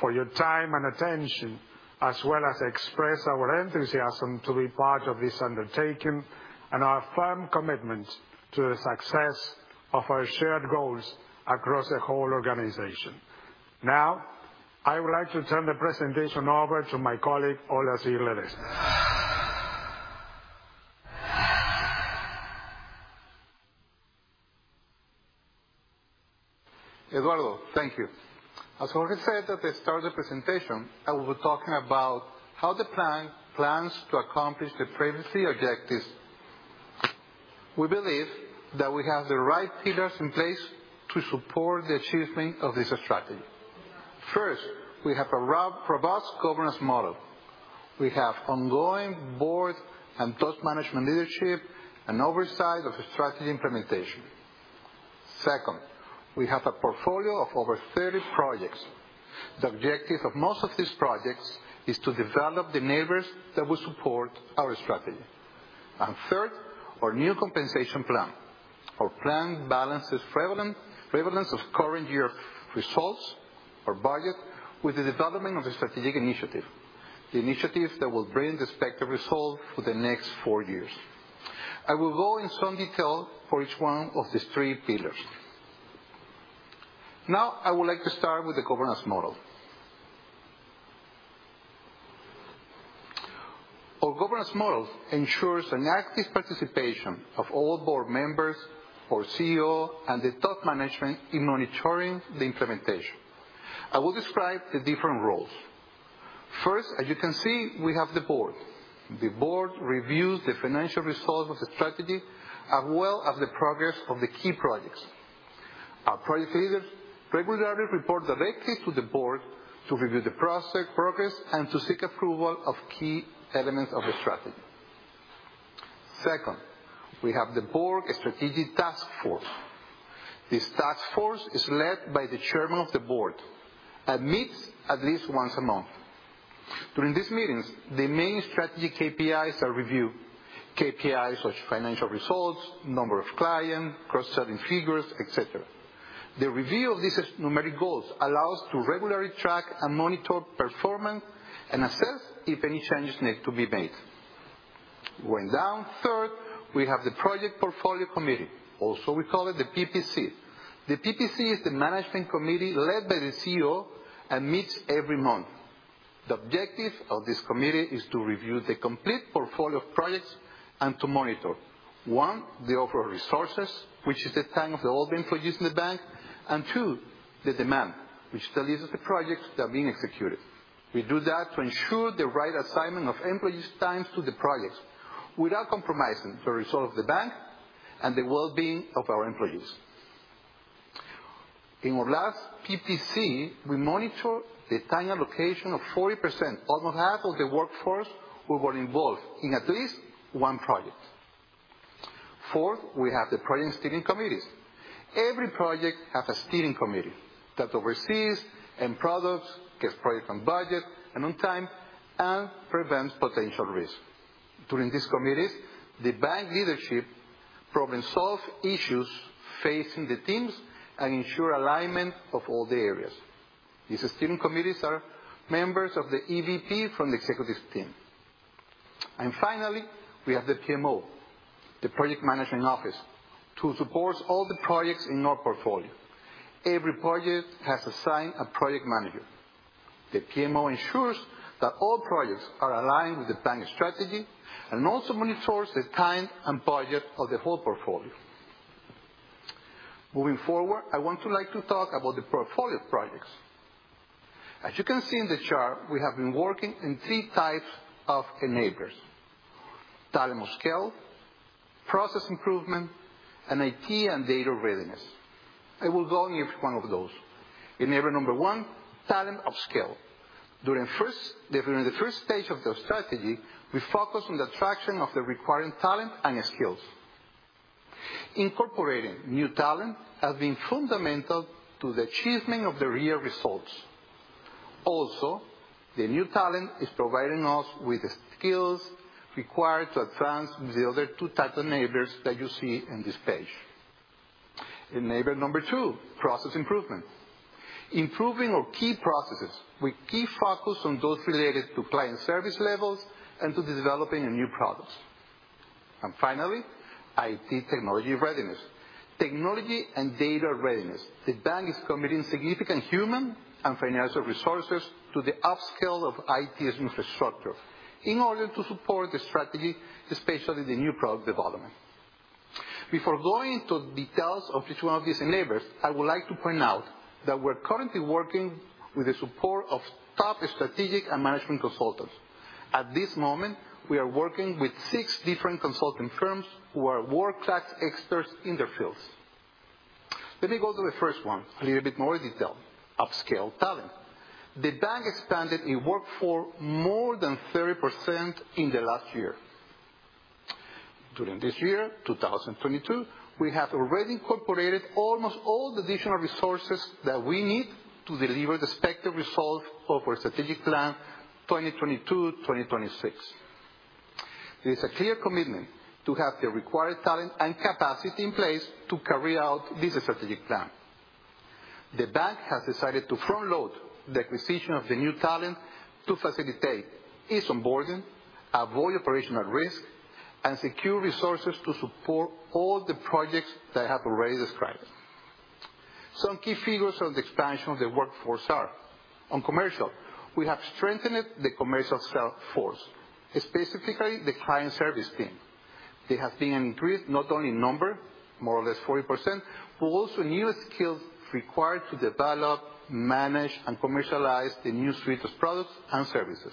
for your time and attention, as well as express our enthusiasm to be part of this undertaking and our firm commitment to the success of our shared goals across the whole organization. Now, I would like to turn the presentation over to my colleague, Olazhir Ledezma. Eduardo, thank you. As Jorge said at the start of the presentation, I will be talking about how the plan plans to accomplish the previous objectives. We believe that we have the right pillars in place to support the achievement of this strategy. First, we have a robust governance model. We have ongoing board and top management leadership and oversight of the strategy implementation. Second, we have a portfolio of over 30 projects. The objective of most of these projects is to develop the enablers that will support our strategy. Third, our new compensation plan. Our plan balances prevalence of current year results or budget with the development of a strategic initiative, the initiatives that will bring the expected result for the next four years. I will go in some detail for each one of these three pillars. Now, I would like to start with the governance model. Our governance model ensures an active participation of all board members, our CEO, and the top management in monitoring the implementation. I will describe the different roles. First, as you can see, we have the board. The board reviews the financial results of the strategy, as well as the progress of the key projects. Our project leaders regularly report directly to the board to review the process, progress, and to seek approval of key elements of the strategy. Second, we have the board strategic task force. This task force is led by the chairman of the board and meets at least once a month. During these meetings, the main strategy KPIs are reviewed. KPIs such as financial results, number of clients, cross-selling figures, et cetera. The review of these numeric goals allow us to regularly track and monitor performance and assess if any changes need to be made. Going down, third, we have the project portfolio committee, also we call it the PPC. The PPC is the management committee led by the CEO and meets every month. The objective of this committee is to review the complete portfolio of projects and to monitor one, the overall resources, which is the time of all the employees in the bank, and two, the demand, which tells us the projects that are being executed. We do that to ensure the right assignment of employees times to the projects without compromising the result of the bank and the well-being of our employees. In our last PPC, we monitor the time allocation of 40%, almost half of the workforce who were involved in at least one project. Fourth, we have the project steering committees. Every project have a steering committee that oversees end products, gets project on budget and on time, and prevents potential risk. During these committees, the bank leadership problem-solve issues facing the teams and ensure alignment of all the areas. These steering committees are members of the EVP from the executives team. Finally, we have the PMO, the project management office, to support all the projects in our portfolio. Every project has assigned a project manager. The PMO ensures that all projects are aligned with the bank strategy and also monitors the time and budget of the whole portfolio. Moving forward, I want to like to talk about the portfolio projects. As you can see in the chart, we have been working in three types of enablers: talent or skill, process improvement, and IT and data readiness. I will go in each one of those. Enabler number one, talent or skill. During the first stage of the strategy, we focus on the attraction of the required talent and skills. Incorporating new talent has been fundamental to the achievement of the real results. Also, the new talent is providing us with the skills required to advance the other two type of enablers that you see in this page. Enabler number two, process improvement. Improving our key processes, we keep focus on those related to client service levels and to developing new products. Finally, IT technology readiness. Technology and data readiness. The bank is committing significant human and financial resources to the upscale of IT's infrastructure in order to support the strategy, especially the new product development. Before going into details of each one of these enablers, I would like to point out that we're currently working with the support of top strategic and management consultants. At this moment, we are working with 6 different consulting firms who are world-class experts in their fields. Let me go to the first one, a little bit more detail. Upscale talent. The bank expanded its workforce more than 30% in the last year. During this year, 2022, we have already incorporated almost all the additional resources that we need to deliver the expected result of our strategic plan, 2022-2026. There is a clear commitment to have the required talent and capacity in place to carry out this strategic plan. The bank has decided to front load the acquisition of the new talent to facilitate its onboarding, avoid operational risk, and secure resources to support all the projects that I have already described. Some key figures on the expansion of the workforce are. On commercial, we have strengthened the commercial sales force, specifically the client service team. They have been increased not only in number, more or less 40%, but also new skills required to develop, manage, and commercialize the new suite of products and services.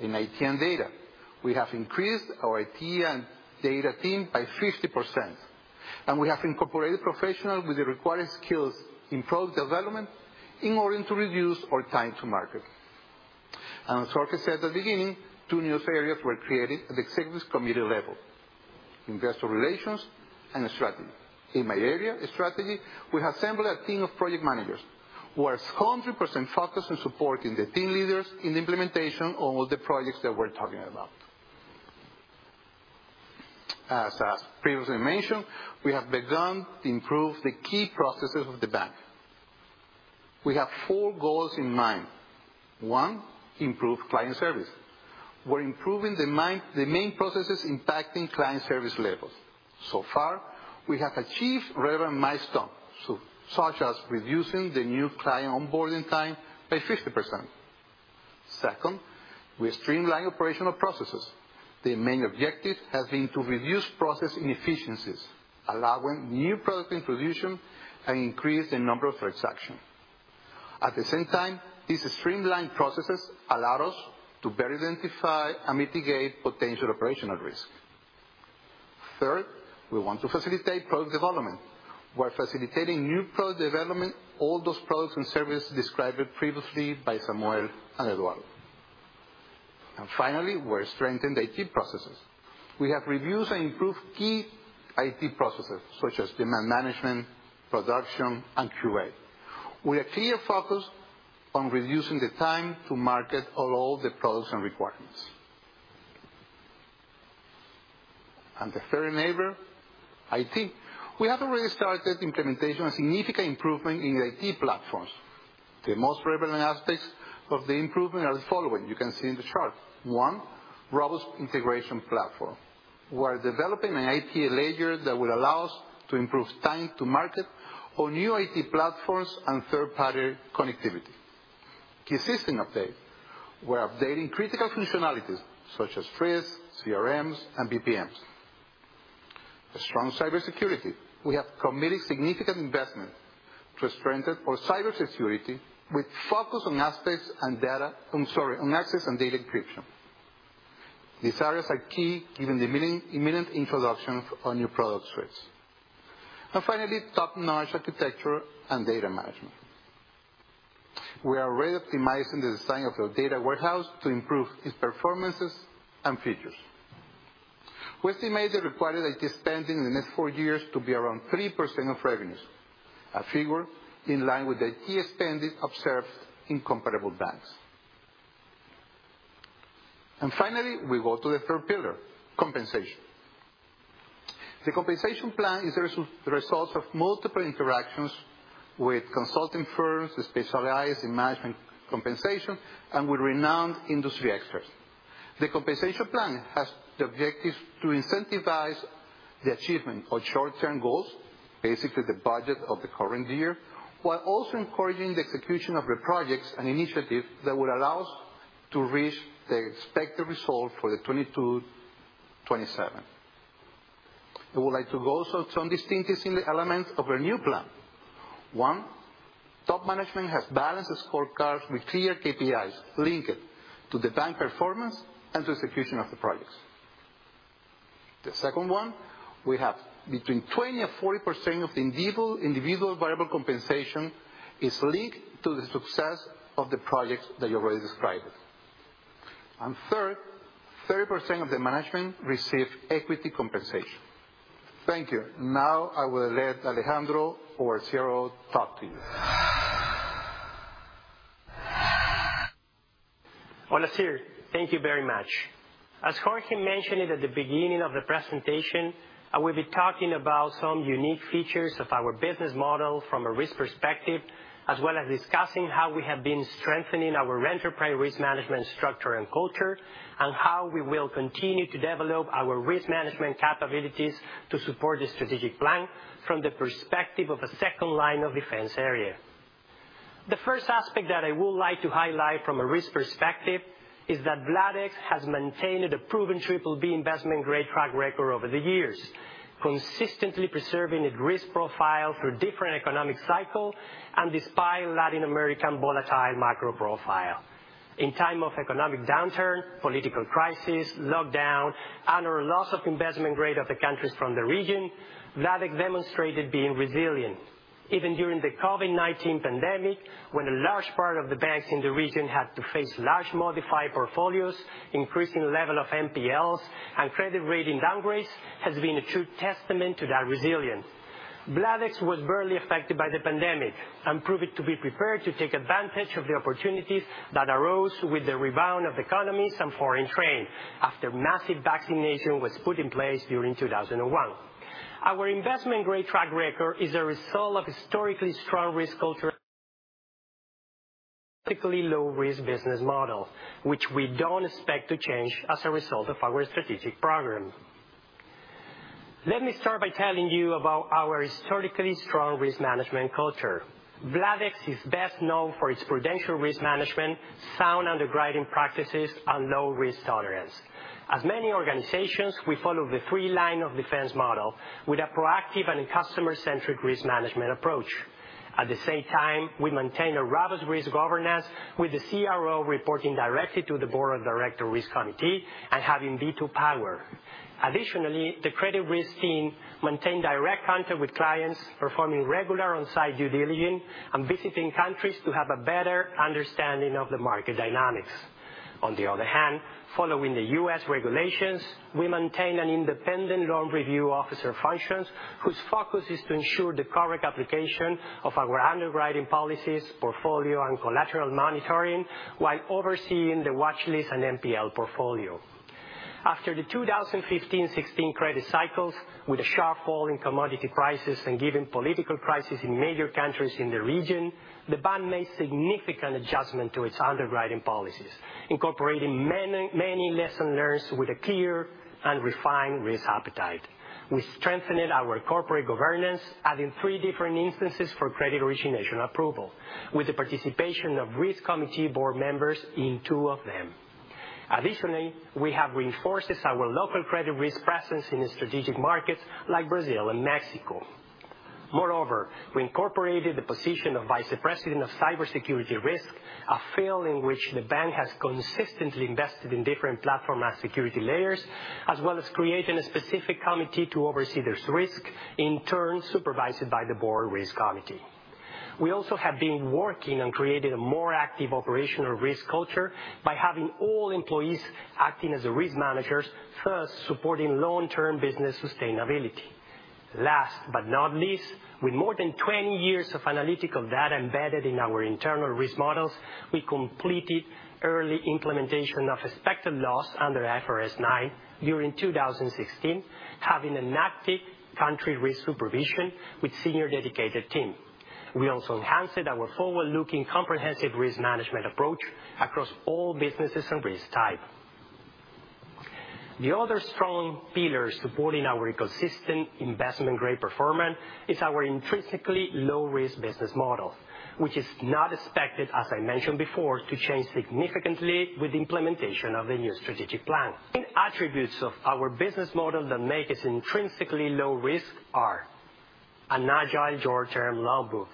In IT and data, we have increased our IT and data team by 50%, and we have incorporated professionals with the required skills in product development in order to reduce our time to market. As Jorge said at the beginning, two new areas were created at the executive committee level, investor relations and strategy. In my area, strategy, we have assembled a team of project managers who are 100% focused on supporting the team leaders in the implementation of the projects that we're talking about. As previously mentioned, we have begun to improve the key processes of the bank. We have four goals in mind. One, improve client service. We're improving the main processes impacting client service levels. So far, we have achieved relevant milestones, such as reducing the new client onboarding time by 50%. Second, we streamline operational processes. The main objective has been to reduce process inefficiencies, allowing new product introduction and increase the number of transactions. At the same time, these streamlined processes allow us to better identify and mitigate potential operational risk. Third, we want to facilitate product development. We're facilitating new product development, all those products and services described previously by Samuel and Eduardo. Finally, we strengthen the IT processes. We have reviewed and improved key IT processes such as demand management, production, and QA. We are clearly focused on reducing the time to market on all the products and requirements. The third enabler, IT. We have already started implementation of significant improvement in the IT platforms. The most relevant aspects of the improvement are the following. You can see in the chart. One, robust integration platform. We're developing an IT layer that will allow us to improve time to market on new IT platforms and third-party connectivity. Key system update. We're updating critical functionalities such as FRIS, CRMs, and BPMs. A strong cybersecurity. We have committed significant investment to strengthen our cybersecurity with focus on aspects and data, I'm sorry, on access and data encryption. These areas are key given the imminent introduction of our new product suites. Top-notch architecture and data management. We are reoptimizing the design of our data warehouse to improve its performances and features. We estimate the required IT spending in the next four years to be around 3% of revenues, a figure in line with the IT spending observed in comparable banks. We go to the third pillar, compensation. The compensation plan is the result of multiple interactions with consulting firms specialized in management compensation and with renowned industry experts. The compensation plan has the objective to incentivize the achievement of short-term goals, basically the budget of the current year, while also encouraging the execution of the projects and initiatives that will allow us to reach the expected result for the 2022-2027. I would like to go over some distinctive elements of our new plan. One, top management has balanced the scorecards with clear KPIs linked to the bank performance and to execution of the projects. The second one, we have between 20% and 40% of the individual variable compensation is linked to the success of the projects that you already described. Third, 30% of the management receive equity compensation. Thank you. Now I will let Alejandro Tizzoni talk to you. Hola, sir. Thank you very much. As Jorge mentioned it at the beginning of the presentation, I will be talking about some unique features of our business model from a risk perspective, as well as discussing how we have been strengthening our enterprise risk management structure and culture, and how we will continue to develop our risk management capabilities to support the strategic plan from the perspective of a second line of defense area. The first aspect that I would like to highlight from a risk perspective is that Bladex has maintained a proven triple B investment grade track record over the years, consistently preserving its risk profile through different economic cycle and despite Latin American volatile macro profile. In time of economic downturn, political crisis, lockdown, and/or loss of investment grade of the countries from the region, Bladex demonstrated being resilient. Even during the COVID-19 pandemic, when a large part of the banks in the region had to face large modified portfolios, increasing level of NPLs, and credit rating downgrades, has been a true testament to that resilience. Bladex was barely affected by the pandemic and proved to be prepared to take advantage of the opportunities that arose with the rebound of economies and foreign trade after massive vaccination was put in place during 2021. Our investment grade track record is a result of historically strong risk culture typically low risk business model, which we don't expect to change as a result of our strategic program. Let me start by telling you about our historically strong risk management culture. Bladex is best known for its prudential risk management, sound underwriting practices, and low risk tolerance. As many organizations, we follow the three lines of defense model with a proactive and customer-centric risk management approach. At the same time, we maintain a robust risk governance with the CRO reporting directly to the Board of Directors Risk Committee and having veto power. Additionally, the credit risk team maintain direct contact with clients, performing regular on-site due diligence and visiting countries to have a better understanding of the market dynamics. On the other hand, following the U.S. regulations, we maintain an independent loan review officer functions, whose focus is to ensure the correct application of our underwriting policies, portfolio, and collateral monitoring, while overseeing the watchlist and NPL portfolio. After the 2015-2016 credit cycles, with a sharp fall in commodity prices and given political crisis in major countries in the region, the bank made significant adjustment to its underwriting policies, incorporating many lessons learned with a clear and refined risk appetite. We strengthened our corporate governance, adding three different instances for credit origination approval, with the participation of risk committee board members in two of them. Additionally, we have reinforced our local credit risk presence in the strategic markets like Brazil and Mexico. Moreover, we incorporated the position of vice president of cybersecurity risk, a field in which the bank has consistently invested in different platform and security layers, as well as creating a specific committee to oversee this risk, in turn, supervised by the board risk committee. We also have been working on creating a more active operational risk culture by having all employees acting as risk managers, thus supporting long-term business sustainability. Last but not least, with more than 20 years of analytical data embedded in our internal risk models, we completed early implementation of expected loss under IFRS 9 during 2016, having an active country risk supervision with senior dedicated team. We also enhanced our forward-looking comprehensive risk management approach across all businesses and risk type. The other strong pillars supporting our consistent investment grade performance is our intrinsically low risk business model, which is not expected, as I mentioned before, to change significantly with the implementation of the new strategic plan. The attributes of our business model that make us intrinsically low risk are: an agile short-term loan book.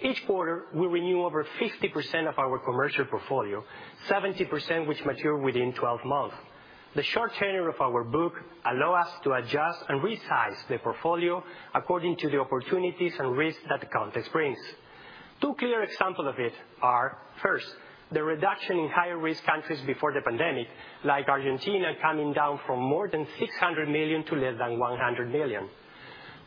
Each quarter, we renew over 50% of our commercial portfolio, 70% which mature within 12 months. The short tenure of our book allow us to adjust and resize the portfolio according to the opportunities and risks that the context brings. Two clear example of it are, first, the reduction in higher risk countries before the pandemic, like Argentina coming down from more than $600 million to less than $100 million.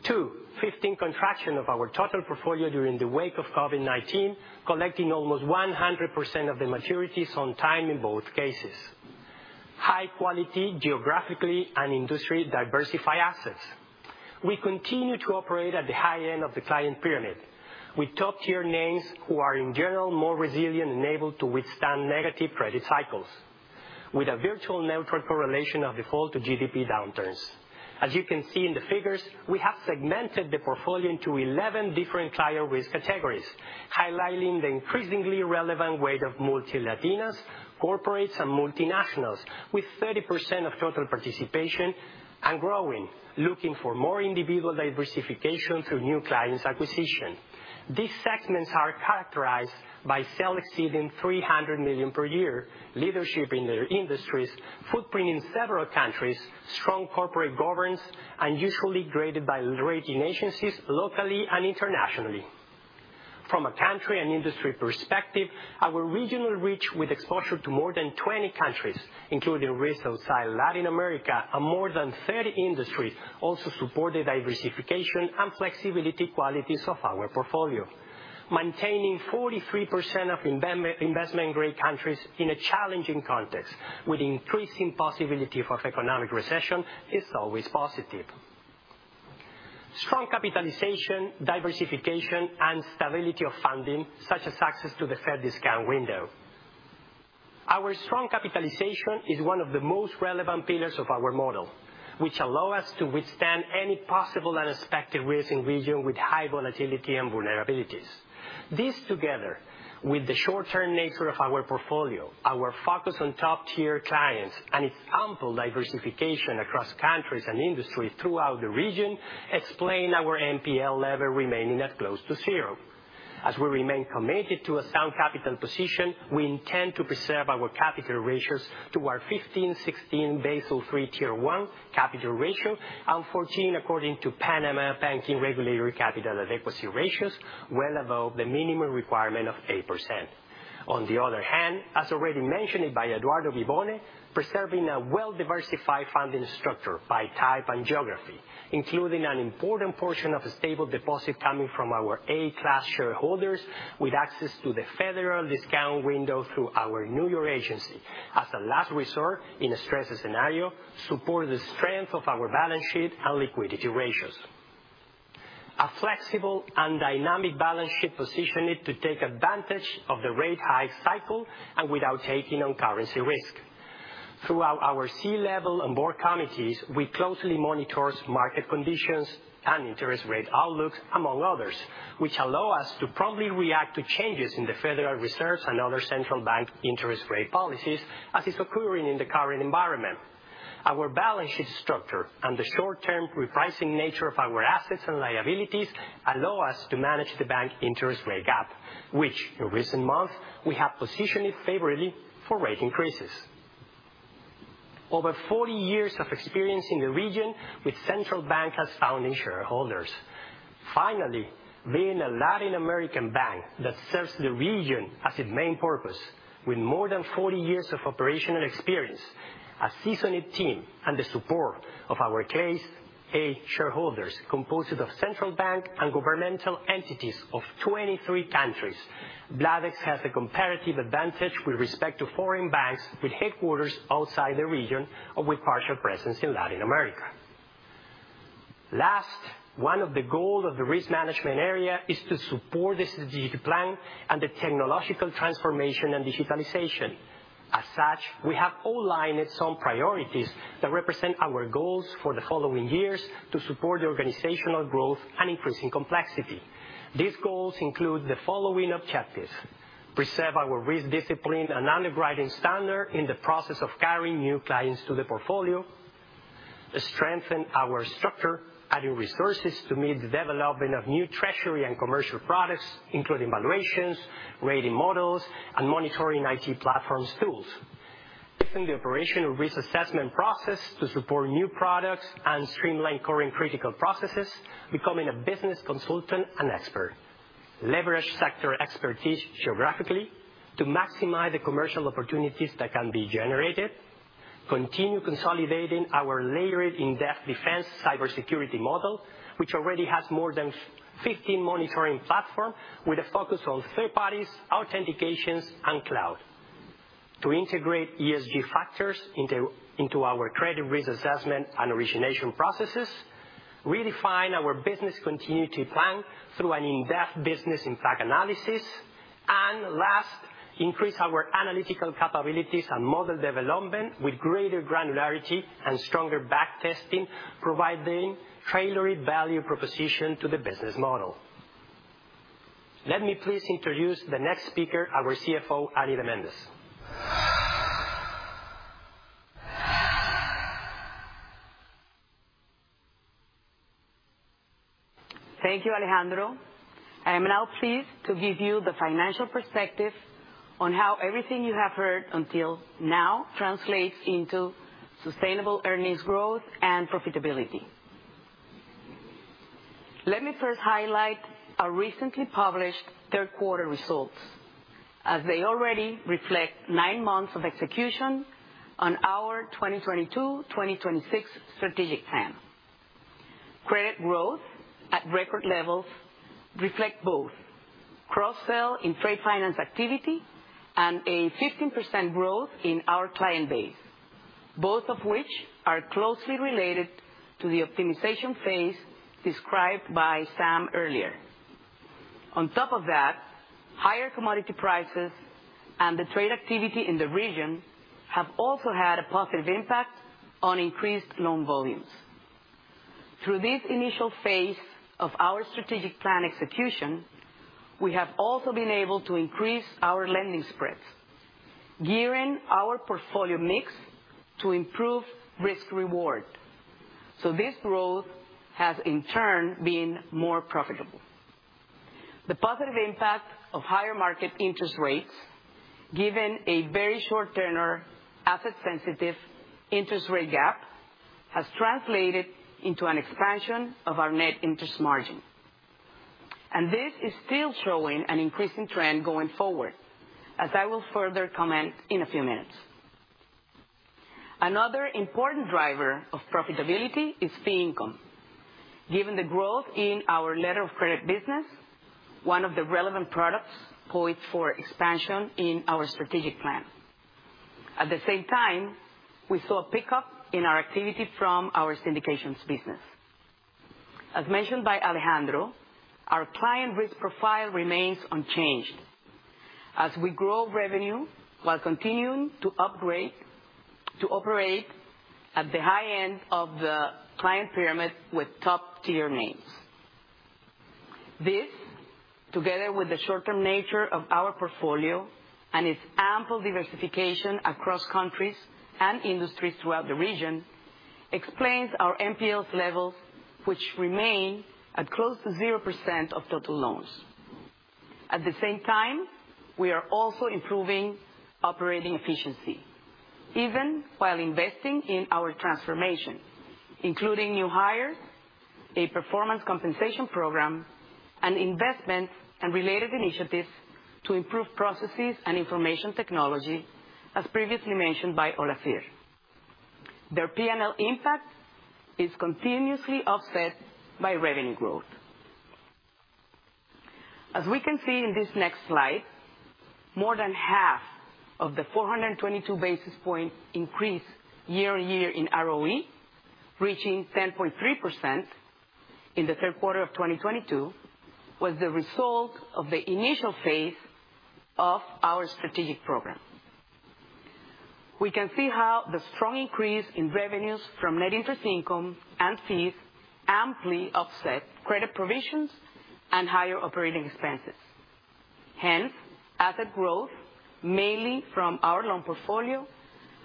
Two, 15% contraction of our total portfolio during the wake of COVID-19, collecting almost 100% of the maturities on time in both cases. High quality, geographically and industry diversified assets. We continue to operate at the high end of the client pyramid. With top-tier names who are, in general, more resilient and able to withstand negative credit cycles with a virtually neutral correlation of default to GDP downturns. As you can see in the figures, we have segmented the portfolio into 11 different client risk categories, highlighting the increasingly relevant weight of Multilatinas, corporates, and multinationals, with 30% of total participation and growing, looking for more individual diversification through new clients acquisition. These segments are characterized by sales exceeding $300 million per year, leadership in their industries, footprint in several countries, strong corporate governance, and usually graded by rating agencies locally and internationally. From a country and industry perspective, our regional reach with exposure to more than 20 countries, including risks outside Latin America and more than 30 industries, also support the diversification and flexibility qualities of our portfolio. Maintaining 43% of investment grade countries in a challenging context with increasing possibility of economic recession is always positive. Strong capitalization, diversification, and stability of funding, such as access to the Fed discount window. Our strong capitalization is one of the most relevant pillars of our model, which allow us to withstand any possible unexpected risks in region with high volatility and vulnerabilities. This together with the short-term nature of our portfolio, our focus on top-tier clients, and its ample diversification across countries and industries throughout the region, explain our NPL level remaining at close to zero. As we remain committed to a sound capital position, we intend to preserve our capital ratios to our 15-16 Basel III Tier 1 capital ratio and 14 according to Panama banking regulatory capital adequacy ratios, well above the minimum requirement of 8%. On the other hand, as already mentioned by Eduardo Vivone, preserving a well-diversified funding structure by type and geography, including an important portion of the stable deposit coming from our A-class shareholders with access to the Federal discount window through our New York agency as a last resort in a stress scenario, support the strength of our balance sheet and liquidity ratios. A flexible and dynamic balance sheet positioned to take advantage of the rate hike cycle and without taking on currency risk. Throughout our C-level and board committees, we closely monitor market conditions and interest rate outlooks, among others, which allow us to promptly react to changes in the Federal Reserve's and other central bank interest rate policies, as is occurring in the current environment. Our balance sheet structure and the short-term repricing nature of our assets and liabilities allow us to manage the bank interest rate gap, which in recent months, we have positioned favorably for rate increases. Over 40 years of experience in the region with central banks as founding shareholders. Finally, being a Latin American bank that serves the region as its main purpose, with more than 40 years of operational experience, a seasoned team and the support of our Class A shareholders, composed of central banks and governmental entities of 23 countries. Bladex has a comparative advantage with respect to foreign banks with headquarters outside the region or with partial presence in Latin America. Last, one of the goals of the risk management area is to support the strategic plan and the technological transformation and digitalization. As such, we have outlined some priorities that represent our goals for the following years to support the organizational growth and increasing complexity. These goals include the following objectives. Preserve our risk discipline and underwriting standard in the process of carrying new clients to the portfolio. Strengthen our structure, adding resources to meet the development of new treasury and commercial products, including valuations, rating models, and monitoring IT platforms tools. Taking the operational risk assessment process to support new products and streamline current critical processes, becoming a business consultant and expert. Leverage sector expertise geographically to maximize the commercial opportunities that can be generated. Continue consolidating our layered in-depth defense cybersecurity model, which already has more than 15 monitoring platform with a focus on third parties, authentications, and cloud. To integrate ESG factors into our credit risk assessment and origination processes, redefine our business continuity plan through an in-depth business impact analysis. Last, increase our analytical capabilities and model development with greater granularity and stronger back testing, providing tailored value proposition to the business model. Let me please introduce the next speaker, our CFO, Ana de Mendez. Thank you, Alejandro. I am now pleased to give you the financial perspective on how everything you have heard until now translates into sustainable earnings growth and profitability. Let me first highlight our recently published third quarter results, as they already reflect nine months of execution on our 2022-2026 strategic plan. Credit growth at record levels reflect both cross-sell in trade finance activity and a 15% growth in our client base, both of which are closely related to the optimization phase described by Sam earlier. On top of that, higher commodity prices and the trade activity in the region have also had a positive impact on increased loan volumes. Through this initial phase of our strategic plan execution, we have also been able to increase our lending spreads, gearing our portfolio mix to improve risk reward. This growth has in turn been more profitable. The positive impact of higher market interest rates, given a very short-term or asset-sensitive interest rate gap, has translated into an expansion of our net interest margin. This is still showing an increasing trend going forward, as I will further comment in a few minutes. Another important driver of profitability is fee income. Given the growth in our letter of credit business, one of the relevant products poised for expansion in our strategic plan. At the same time, we saw a pickup in our activity from our syndications business. As mentioned by Alejandro, our client risk profile remains unchanged. As we grow revenue while continuing to operate at the high end of the client pyramid with top-tier names. This, together with the short-term nature of our portfolio and its ample diversification across countries and industries throughout the region, explains our NPLs levels, which remain at close to 0% of total loans. At the same time, we are also improving operating efficiency, even while investing in our transformation, including new hires, a performance compensation program, and investment and related initiatives to improve processes and information technology, as previously mentioned by Olazhir. Their P&L impact is continuously offset by revenue growth. As we can see in this next slide, more than half of the 422 basis points increase year-on-year in ROE, reaching 10.3% in the third quarter of 2022, was the result of the initial phase of our strategic program. We can see how the strong increase in revenues from net interest income and fees amply offset credit provisions and higher operating expenses. Hence, asset growth, mainly from our loan portfolio,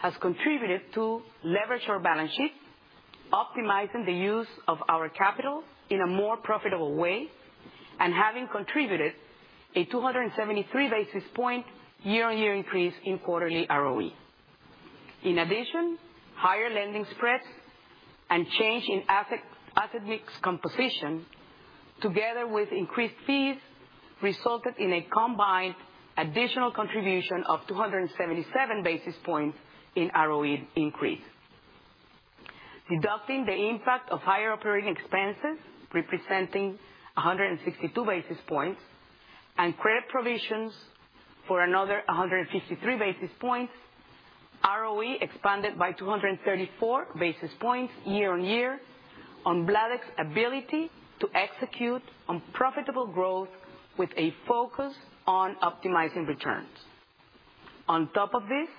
has contributed to leverage our balance sheet, optimizing the use of our capital in a more profitable way, and having contributed a 273 basis point year-on-year increase in quarterly ROE. In addition, higher lending spreads and change in asset mix composition, together with increased fees, resulted in a combined additional contribution of 277 basis points in ROE increase. Deducting the impact of higher operating expenses, representing 162 basis points, and credit provisions for another 153 basis points, ROE expanded by 234 basis points year-on-year on Bladex's ability to execute on profitable growth with a focus on optimizing returns. On top of this,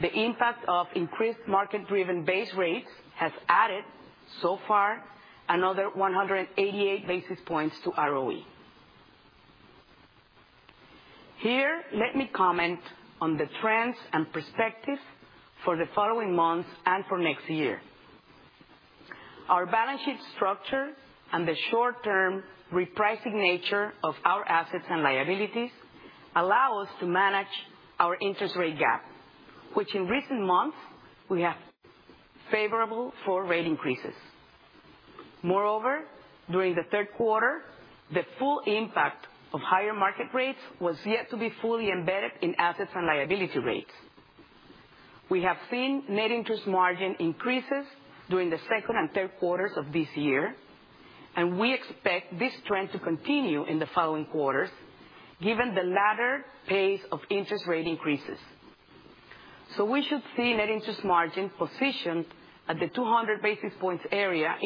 the impact of increased market-driven base rates has added, so far, another 188 basis points to ROE. Here, let me comment on the trends and perspectives for the following months and for next year. Our balance sheet structure and the short-term repricing nature of our assets and liabilities allow us to manage our interest rate gap, which in recent months has been favorable for rate increases. Moreover, during the third quarter, the full impact of higher market rates was yet to be fully embedded in assets and liability rates. We have seen net interest margin increases during the second and third quarters of this year, and we expect this trend to continue in the following quarters, given the faster pace of interest rate increases. We should see net interest margin positioned at the 200 basis points area.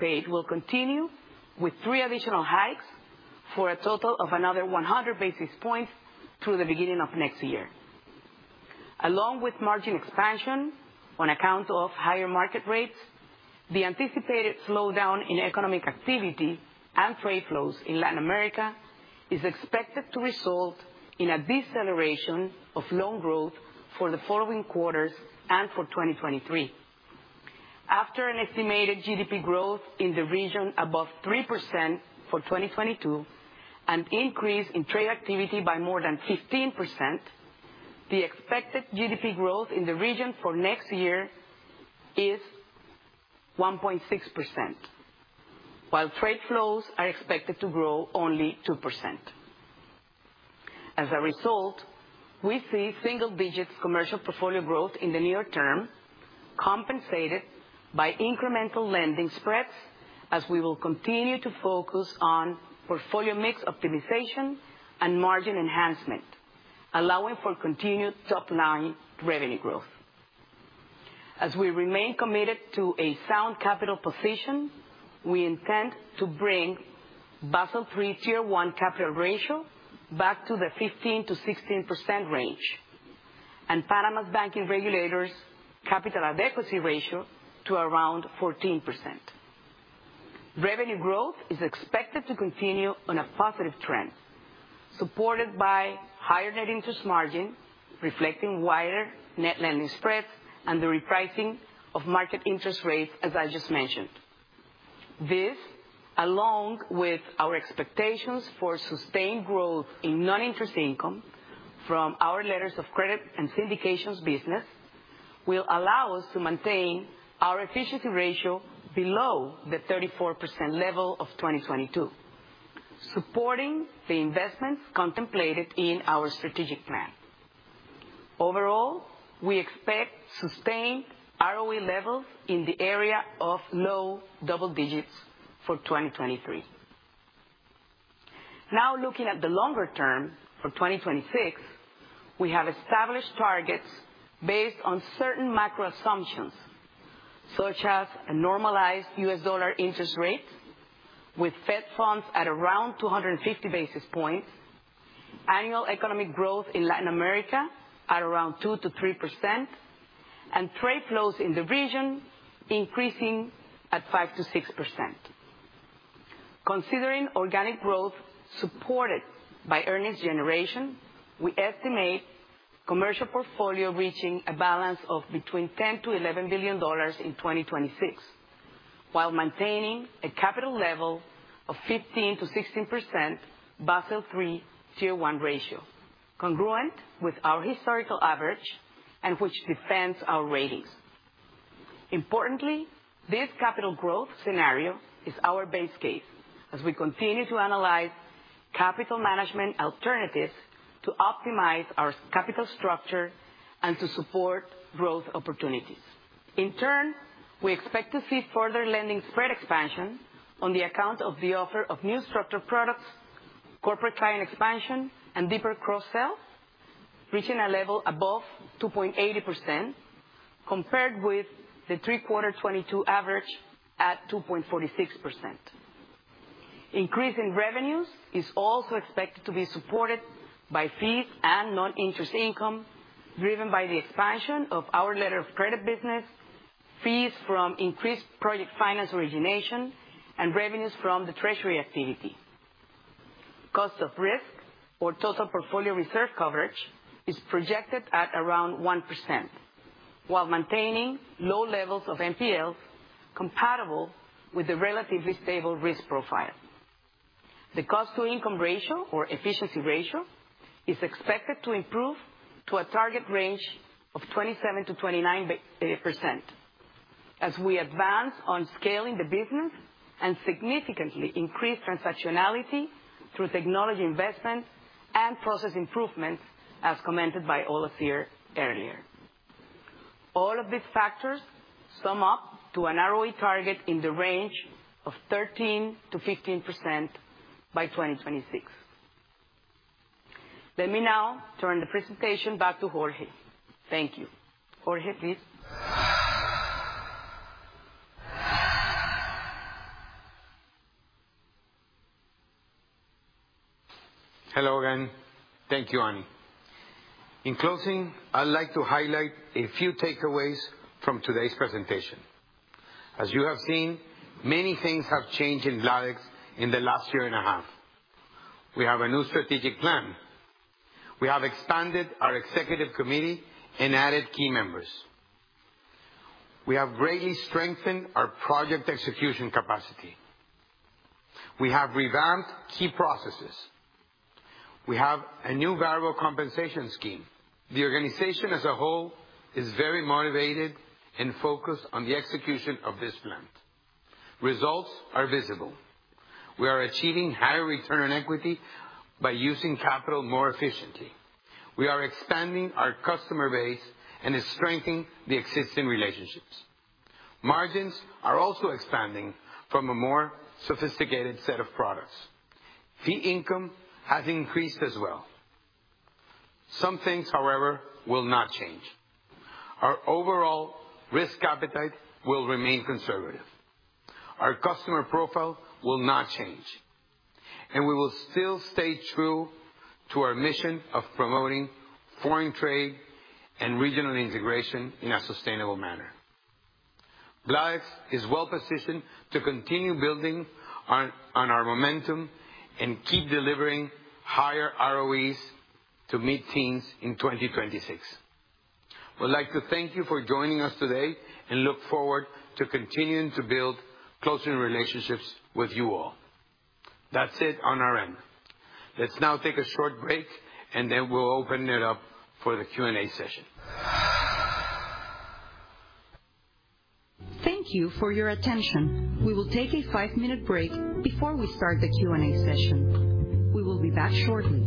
Pace will continue with three additional hikes for a total of another 100 basis points through the beginning of next year. Along with margin expansion on account of higher market rates, the anticipated slowdown in economic activity and trade flows in Latin America is expected to result in a deceleration of loan growth for the following quarters and for 2023. After an estimated GDP growth in the region above 3% for 2022, an increase in trade activity by more than 15%, the expected GDP growth in the region for next year is 1.6%, while trade flows are expected to grow only 2%. As a result, we see single-digit commercial portfolio growth in the near term, compensated by incremental lending spreads, as we will continue to focus on portfolio mix optimization and margin enhancement, allowing for continued top-line revenue growth. We remain committed to a sound capital position, we intend to bring Basel III Tier 1 capital ratio back to the 15%-16% range, and Panama's banking regulators' capital adequacy ratio to around 14%. Revenue growth is expected to continue on a positive trend, supported by higher net interest margin, reflecting wider net lending spreads and the repricing of market interest rates, as I just mentioned. This, along with our expectations for sustained growth in non-interest income from our letters of credit and syndications business, will allow us to maintain our efficiency ratio below the 34% level of 2022, supporting the investments contemplated in our strategic plan. Overall, we expect sustained ROE levels in the area of low double digits for 2023. Now, looking at the longer term, for 2026, we have established targets based on certain macro assumptions, such as a normalized U.S. dollar interest rate with Fed funds at around 250 basis points, annual economic growth in Latin America at around 2%-3%, and trade flows in the region increasing at 5%-6%. Considering organic growth supported by earnings generation, we estimate commercial portfolio reaching a balance of between $10 billion and $11 billion in 2026, while maintaining a capital level of 15%-16% Basel III Tier 1 ratio, congruent with our historical average and which defends our ratings. Importantly, this capital growth scenario is our base case as we continue to analyze capital management alternatives to optimize our capital structure and to support growth opportunities. In turn, we expect to see further lending spread expansion on account of the offer of new structured products, corporate client expansion, and deeper cross-sell, reaching a level above 2.80% compared with the 3Q22 average at 2.46%. Increase in revenues is also expected to be supported by fees and non-interest income, driven by the expansion of our letter of credit business, fees from increased project finance origination, and revenues from the treasury activity. Cost of risk or total portfolio reserve coverage is projected at around 1% while maintaining low levels of NPLs compatible with a relatively stable risk profile. The cost-to-income ratio or efficiency ratio is expected to improve to a target range of 27%-29% as we advance on scaling the business and significantly increase transactionality through technology investment and process improvements, as commented by Olazhir earlier. All of these factors sum up to an ROE target in the range of 13%-15% by 2026. Let me now turn the presentation back to Jorge. Thank you. Jorge, please. Hello again. Thank you, Ana de Mendez. In closing, I'd like to highlight a few takeaways from today's presentation. As you have seen, many things have changed in Bladex in the last year and a half. We have a new strategic plan. We have expanded our executive committee and added key members. We have greatly strengthened our project execution capacity. We have revamped key processes. We have a new variable compensation scheme. The organization as a whole is very motivated and focused on the execution of this plan. Results are visible. We are achieving higher return on equity by using capital more efficiently. We are expanding our customer base and strengthening the existing relationships. Margins are also expanding from a more sophisticated set of products. Fee income has increased as well. Some things, however, will not change. Our overall risk appetite will remain conservative. Our customer profile will not change, and we will still stay true to our mission of promoting foreign trade and regional integration in a sustainable manner. Bladex is well-positioned to continue building on our momentum and keep delivering higher ROEs to meet targets in 2026. We'd like to thank you for joining us today and look forward to continuing to build closer relationships with you all. That's it on our end. Let's now take a short break, and then we'll open it up for the Q&A session. Thank you for your attention. We will take a five-minute break before we start the Q&A session. We will be back shortly.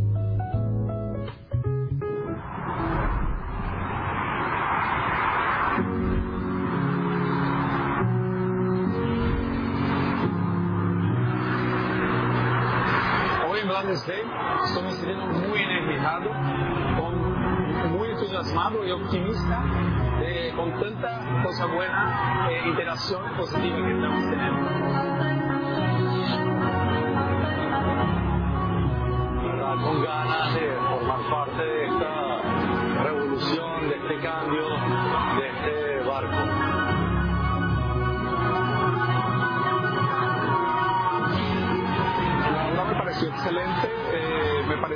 Greetings, Bladex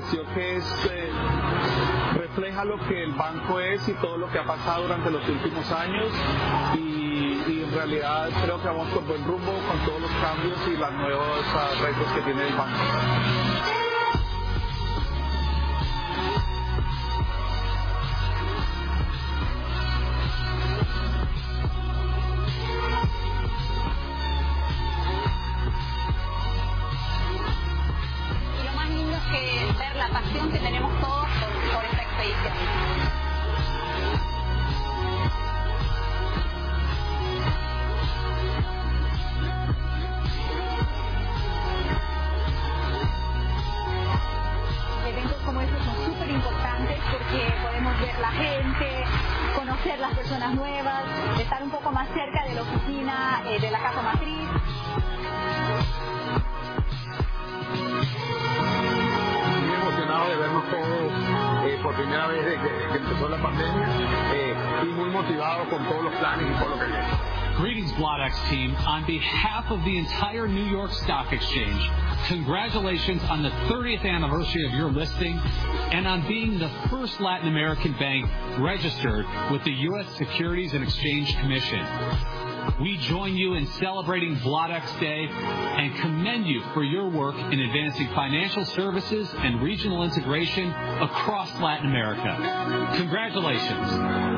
team. On behalf of the entire New York Stock Exchange, congratulations on the 30th anniversary of your listing and on being the first Latin American bank registered with the U.S. Securities and Exchange Commission. We join you in celebrating Bladex Day and commend you for your work in advancing financial services and regional integration across Latin America. Congratulations.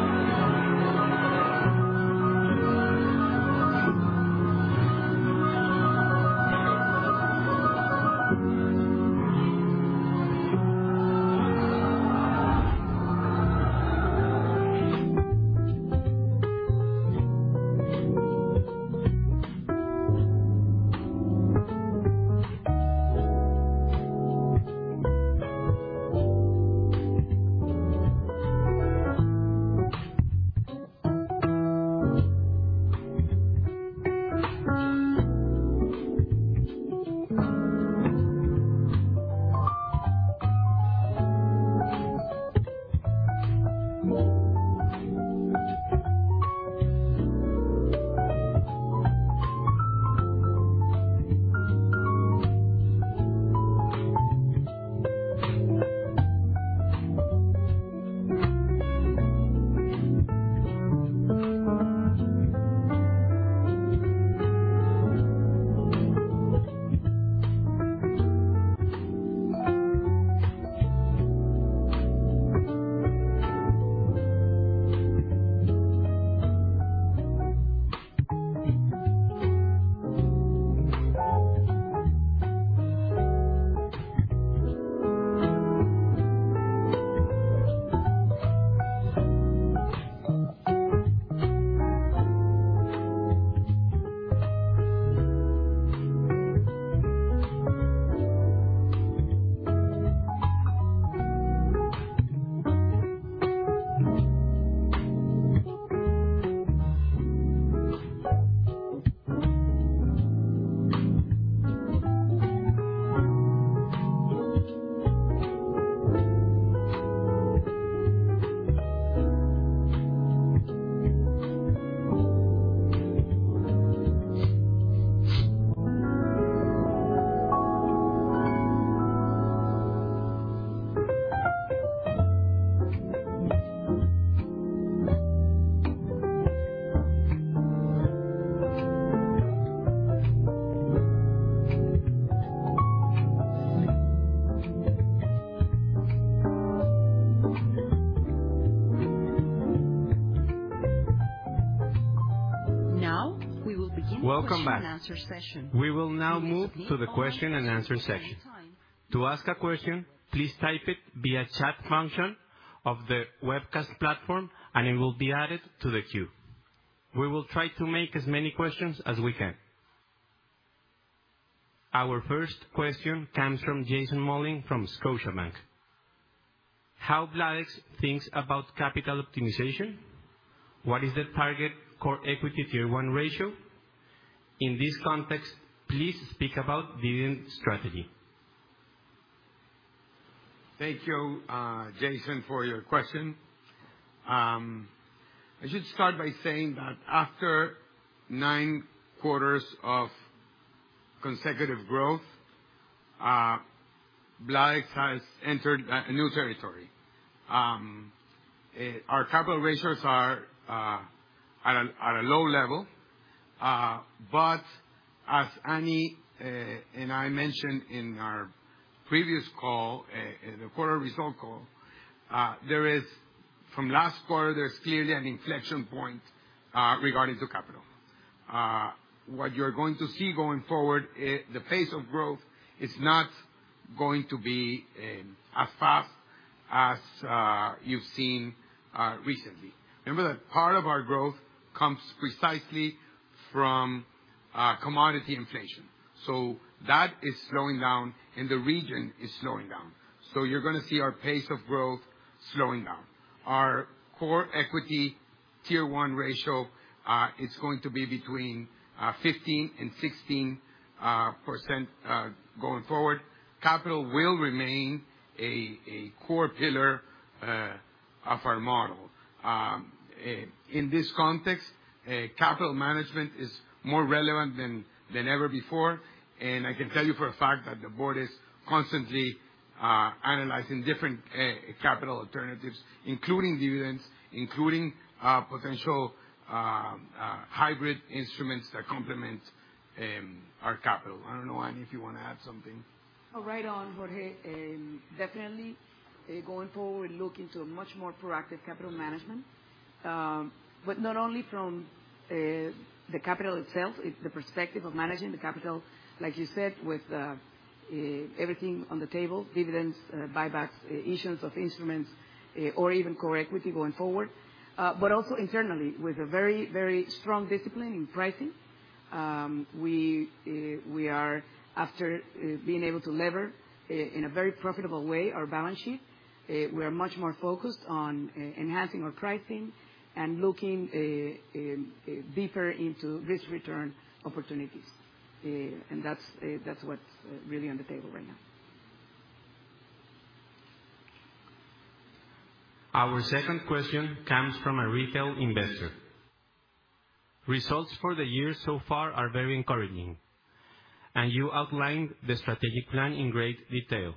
Now we will begin the question and answer session. Welcome back. We will now move to the question and answer section. To ask a question, please type it via chat function of the webcast platform, and it will be added to the queue. We will try to make as many questions as we can. Our first question comes from Jason Mollin from Scotiabank. How Bladex thinks about capital optimization, what is the target core equity Tier 1 ratio? In this context, please speak about dividend strategy. Thank you, Jason, for your question. I should start by saying that after nine quarters of consecutive growth, Bladex has entered a new territory. Our capital ratios are at a low level. But as Annie and I mentioned in our previous call, the quarterly results call from last quarter, there's clearly an inflection point regarding capital. What you're going to see going forward, the pace of growth is not going to be as fast as you've seen recently. Remember that part of our growth comes precisely from commodity inflation, so that is slowing down, and the region is slowing down. You're gonna see our pace of growth slowing down. Our core equity Tier 1 ratio is going to be between 15% and 16% going forward. Capital will remain a core pillar of our model. In this context, capital management is more relevant than ever before. I can tell you for a fact that the board is constantly analyzing different capital alternatives, including dividends, including potential hybrid instruments that complement our capital. I don't know, Ani, if you wanna add something. Oh, right on, Jorge. Definitely, going forward, look into a much more proactive capital management. Not only from the capital itself, it's the perspective of managing the capital, like you said, with everything on the table, dividends, buybacks, issues of instruments, or even core equity going forward. Also internally with a very, very strong discipline in pricing. We are after being able to leverage in a very profitable way our balance sheet. We're much more focused on enhancing our pricing and looking deeper into risk-return opportunities. That's what's really on the table right now. Our second question comes from a retail investor. Results for the year so far are very encouraging, and you outlined the strategic plan in great detail.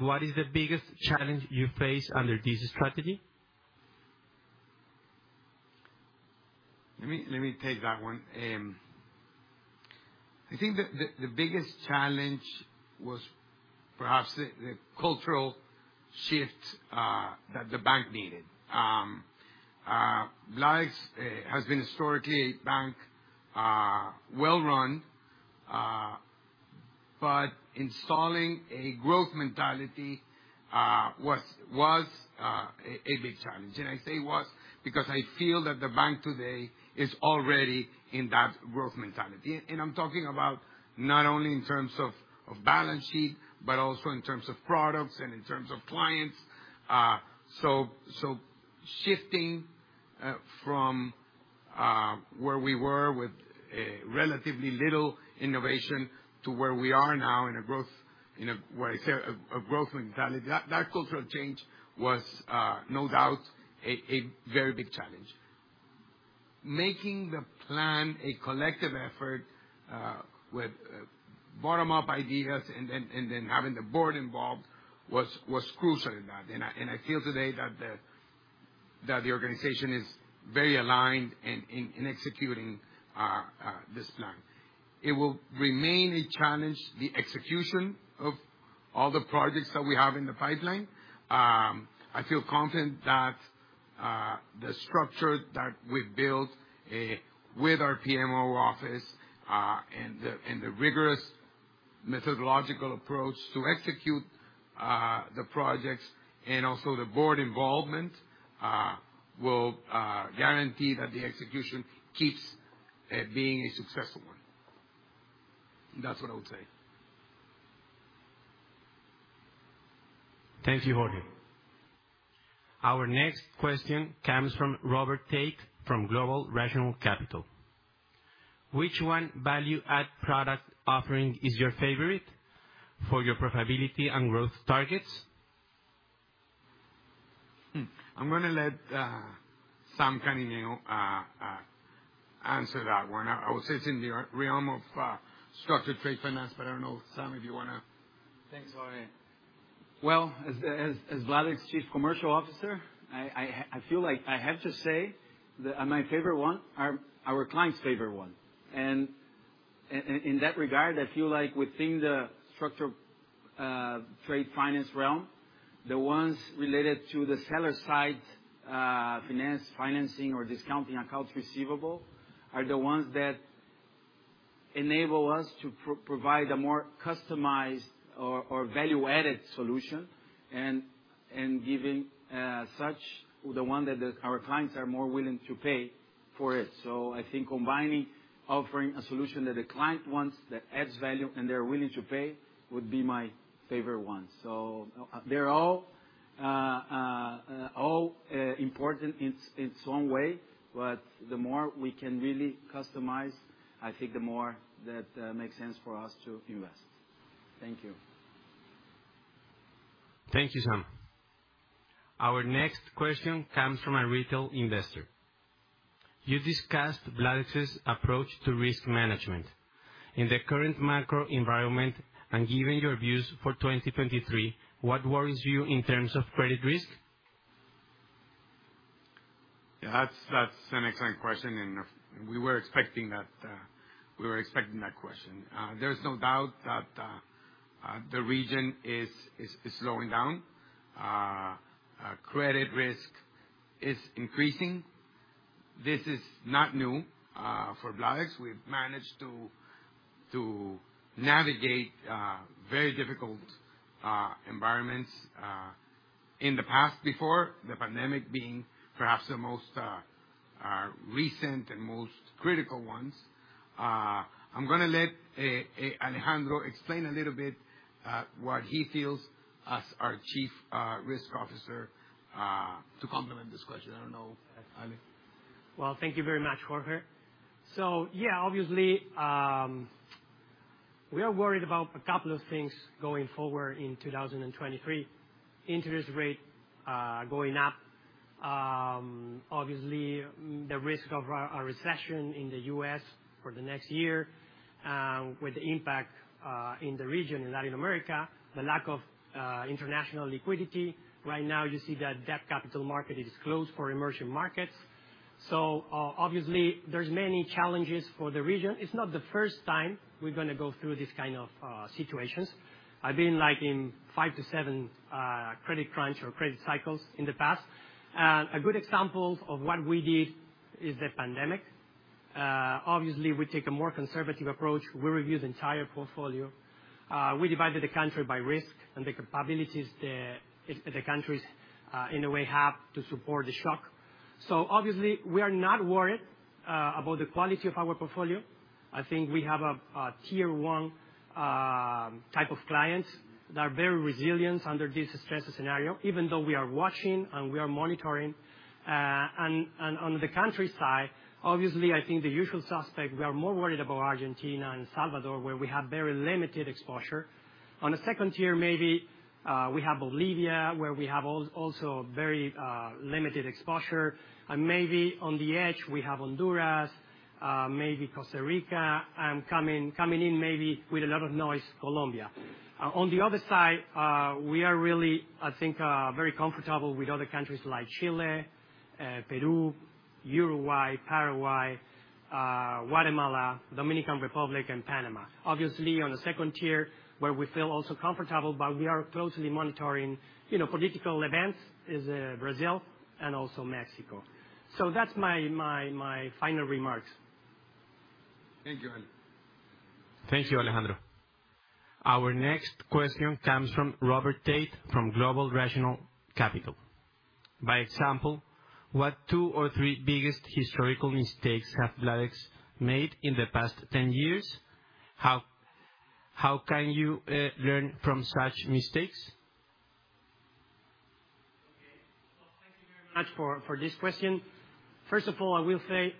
What is the biggest challenge you face under this strategy? Let me take that one. I think the biggest challenge was perhaps the cultural shift that the bank needed. Bladex has been historically a bank well run, but installing a growth mentality was a big challenge. I say was because I feel that the bank today is already in that growth mentality. I'm talking about not only in terms of balance sheet, but also in terms of products and in terms of clients. Shifting from where we were with relatively little innovation to where we are now in a growth mentality. That cultural change was no doubt a very big challenge. Making the plan a collective effort, with bottom-up ideas and then having the board involved was crucial in that. I feel today that the organization is very aligned in executing this plan. It will remain a challenge, the execution of all the projects that we have in the pipeline. I feel confident that the structure that we've built with our PMO office and the rigorous methodological approach to execute the projects and also the board involvement will guarantee that the execution keeps being a successful one. That's what I would say. Thank you, Jorge. Our next question comes from Robert Tate from Global Rational Capital. Which one value-add product offering is your favorite for your profitability and growth targets? I'm gonna let Sam Canineu answer that one. I would say it's in the realm of structured trade finance, but I don't know, Sam, if you wanna- Thanks, Jorge. Well, as Bladex's Chief Commercial Officer, I feel like I have to say that my favorite one are our clients' favorite one. In that regard, I feel like within the structured trade finance realm, the ones related to the seller side financing or discounting accounts receivable are the ones that enable us to provide a more customized or value-added solution. Given such, the one that our clients are more willing to pay for. I think combining offering a solution that the client wants, that adds value and they're willing to pay would be my favorite one. They're all important in its own way, but the more we can really customize, I think the more that makes sense for us to invest. Thank you. Thank you, Sam. Our next question comes from a retail investor. You discussed Bladex's approach to risk management. In the current macro environment and given your views for 2023, what worries you in terms of credit risk? Yeah, that's an excellent question, and we were expecting that question. There's no doubt that the region is slowing down. Credit risk is increasing. This is not new for Bladex. We've managed to navigate very difficult environments in the past before, the pandemic being perhaps the most recent and most critical ones. I'm gonna let Alejandro explain a little bit what he feels as our chief risk officer to complement this question. I don't know, Ale. Well, thank you very much, Jorge. Yeah, obviously, we are worried about a couple of things going forward in 2023. Interest rate going up. Obviously, the risk of a recession in the U.S. for the next year. With the impact in the region in Latin America, the lack of international liquidity. Right now, you see that debt capital markets is closed for emerging markets. Obviously, there's many challenges for the region. It's not the first time we're gonna go through this kind of situations. I've been, like, in 5-7 credit crunch or credit cycles in the past. A good example of what we did is the pandemic. Obviously, we take a more conservative approach. We review the entire portfolio. We divided the countries by risk and the capabilities the countries in a way have to support the shock. Obviously, we are not worried about the quality of our portfolio. I think we have a Tier 1 type of clients that are very resilient under this stress scenario, even though we are watching and we are monitoring. On the country side, obviously, I think the usual suspect, we are more worried about Argentina and El Salvador, where we have very limited exposure. On the second tier, maybe, we have Bolivia, where we have also very limited exposure. Maybe on the edge, we have Honduras, maybe Costa Rica, and coming in maybe with a lot of noise, Colombia. On the other side, we are really, I think, very comfortable with other countries like Chile, Peru, Uruguay, Paraguay, Guatemala, Dominican Republic, and Panama. Obviously, on the second tier, where we feel also comfortable, but we are closely monitoring, you know, political events, is Brazil and also Mexico. That's my final remarks. Thank you, Alejandro. Thank you, Alejandro. Our next question comes from Robert Tate from Global Rational Capital. For example, what two or three biggest historical mistakes have Bladex made in the past 10 years? How can you learn from such mistakes? Okay. Well, thank you very much for this question. First of all, I will say,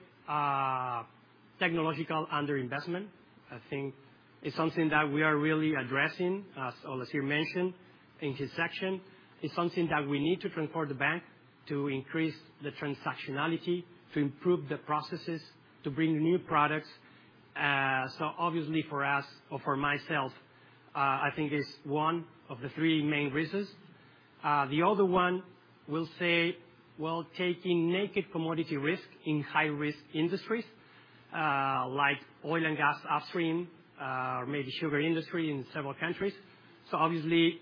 technological underinvestment, I think is something that we are really addressing, as Olazhir mentioned in his section. It's something that we need to transform the bank to increase the transactionality, to improve the processes, to bring new products. Obviously, for us or for myself, I think it's one of the three main reasons. The other one, we'll say, well, taking naked commodity risk in high-risk industries, like oil and gas upstream, maybe sugar industry in several countries. Obviously,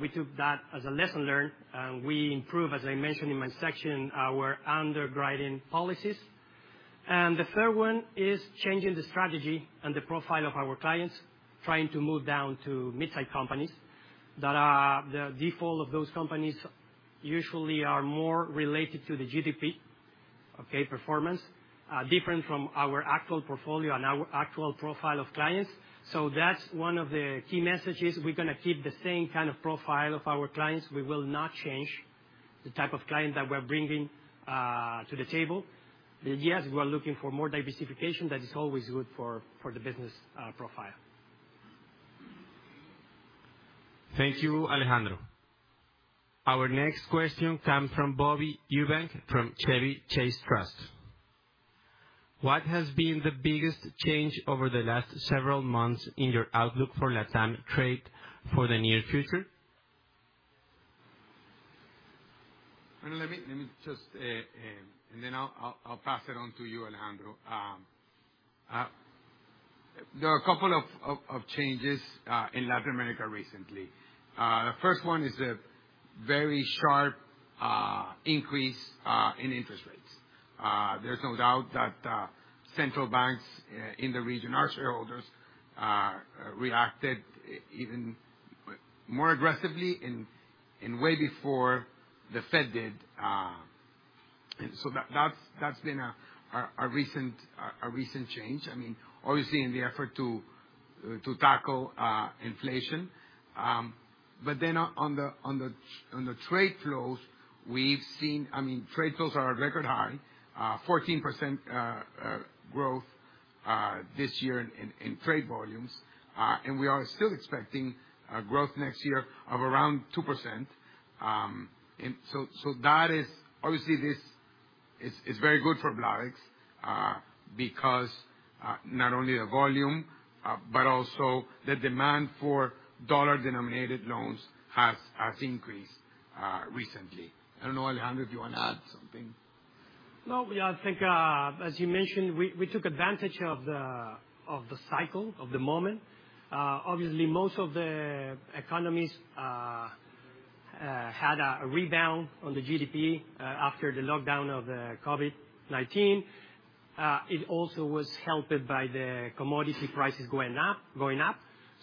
we took that as a lesson learned, and we improve, as I mentioned in my section, our underwriting policies. The third one is changing the strategy and the profile of our clients, trying to move down to mid-size companies that are the default of those companies usually are more related to the GDP, okay, performance, different from our actual portfolio and our actual profile of clients. That's one of the key messages. We're gonna keep the same kind of profile of our clients. We will not change the type of client that we're bringing to the table. Yes, we are looking for more diversification. That is always good for the business profile. Thank you, Alejandro. Our next question come from Bobby Eubank from Chevy Chase Trust. What has been the biggest change over the last several months in your outlook for LATAM trade for the near future? I'll pass it on to you, Alejandro. There are a couple of changes in Latin America recently. The first one is a very sharp increase in interest rates. There's no doubt that central banks in the region, our shareholders, reacted even more aggressively and way before the Fed did, and so that's been a recent change. I mean, obviously in the effort to tackle inflation. On the trade flows, we've seen. I mean, trade flows are record high 14% growth this year in trade volumes. We are still expecting growth next year of around 2%. Obviously, this is very good for Bladex because not only the volume but also the demand for dollar-denominated loans has increased recently. I don't know, Alejandro, do you wanna add something? No, we, I think, as you mentioned, we took advantage of the cycle, of the moment. Obviously, most of the economies had a rebound on the GDP after the lockdown of the COVID-19. It also was helped by the commodity prices going up.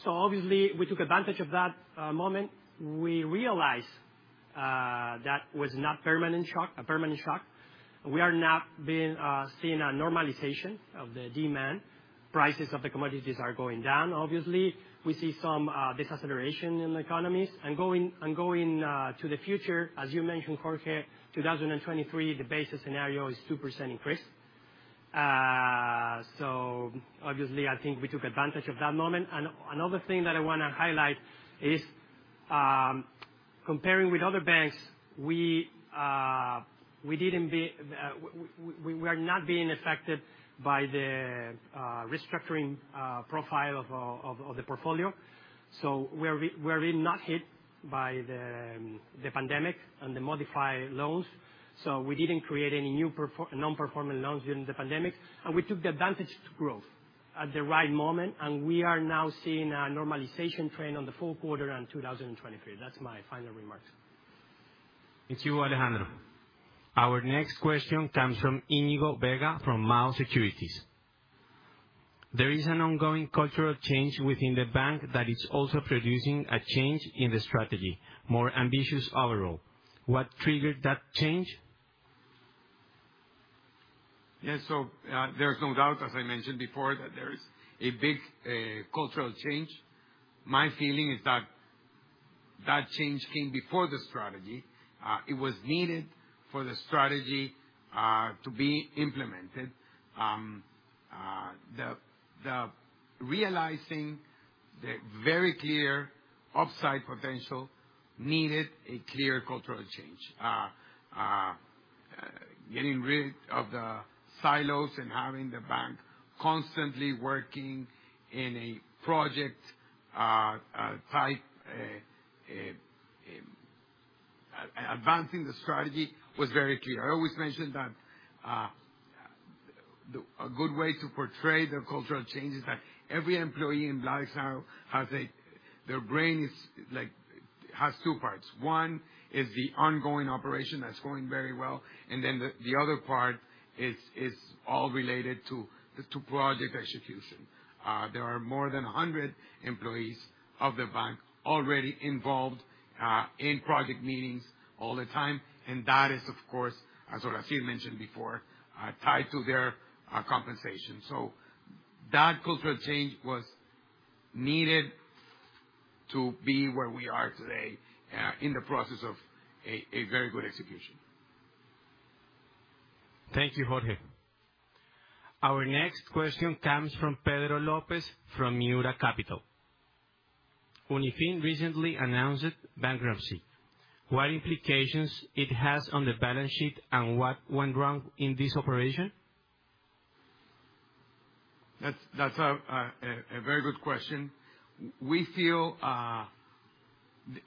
Obviously, we took advantage of that moment. We realized that was not a permanent shock. We are now seeing a normalization of the demand. Prices of the commodities are going down, obviously. We see some deceleration in the economies. Going to the future, as you mentioned, Jorge, 2023, the base scenario is 2% increase. Obviously, I think we took advantage of that moment. Another thing that I wanna highlight is, comparing with other banks, we didn't be... We are not being affected by the restructuring profile of the portfolio. We are really not hit by the pandemic and the modified loans. We didn't create any new nonperforming loans during the pandemic, and we took the advantage to grow at the right moment, and we are now seeing a normalization trend on the full quarter in 2023. That's my final remarks. Thank you, Alejandro. Our next question comes from Iñigo Vega from Nau Securities. There is an ongoing cultural change within the bank that is also producing a change in the strategy, more ambitious overall. What triggered that change? Yeah. There's no doubt, as I mentioned before, that there is a big cultural change. My feeling is that change came before the strategy. It was needed for the strategy to be implemented. Realizing the very clear upside potential needed a clear cultural change. Getting rid of the silos and having the bank constantly working in a project type advancing the strategy was very clear. I always mention that a good way to portray the cultural change is that every employee in Bladex now has a brain that, like, has two parts. One is the ongoing operation that's going very well, and then the other part is all related to project execution. There are more than 100 employees of the bank already involved in project meetings all the time, and that is, of course, as Olazhir mentioned before, tied to their compensation. That cultural change was needed to be where we are today in the process of a very good execution. Thank you, Jorge. Our next question comes from Pedro Lopez from Miura Capital. Unifin recently announced bankruptcy. What implications it has on the balance sheet, and what went wrong in this operation? That's a very good question. We feel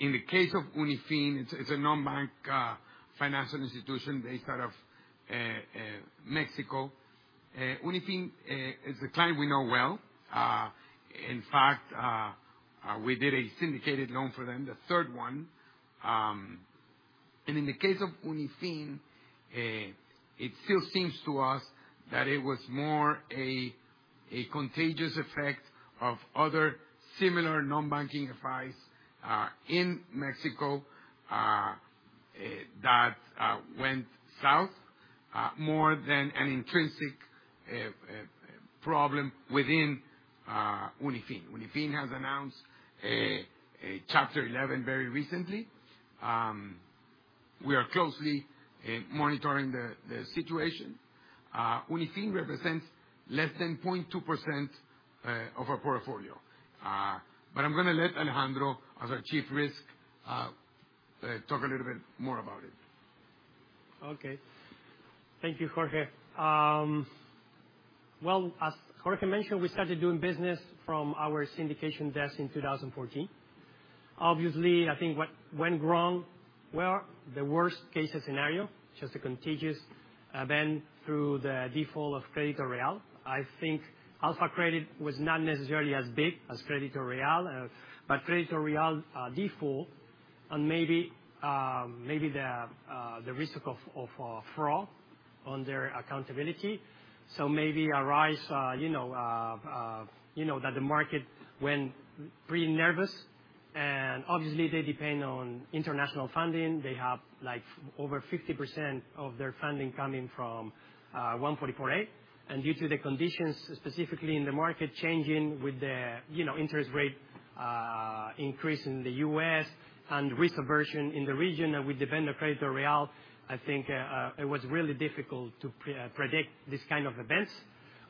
in the case of Unifin, it's a non-bank financial institution based out of Mexico. Unifin is a client we know well. In fact, we did a syndicated loan for them, the third one. In the case of Unifin, it still seems to us that it was more a contagious effect of other similar non-bank FIs in Mexico that went south more than an intrinsic problem within Unifin. Unifin has announced a Chapter 11 very recently. We are closely monitoring the situation. Unifin represents less than 0.2% of our portfolio. But I'm gonna let Alejandro, as our Chief Risk Officer, talk a little bit more about it. Okay. Thank you, Jorge. Well, as Jorge mentioned, we started doing business from our syndication desk in 2014. Obviously, I think what went wrong were the worst case scenario, which is a contagious event through the default of Credito Real. I think AlphaCredit was not necessarily as big as Credito Real. But Credito Real default and maybe maybe the the risk of of fraud on their accountability. Maybe a rise, you know, that the market went really nervous, and obviously they depend on international funding. They have, like, over 50% of their funding coming from 144A, and due to the conditions specifically in the market changing with the, you know, interest rate increase in the U.S. and risk aversion in the region with the vendor Credito Real, I think it was really difficult to predict this kind of events.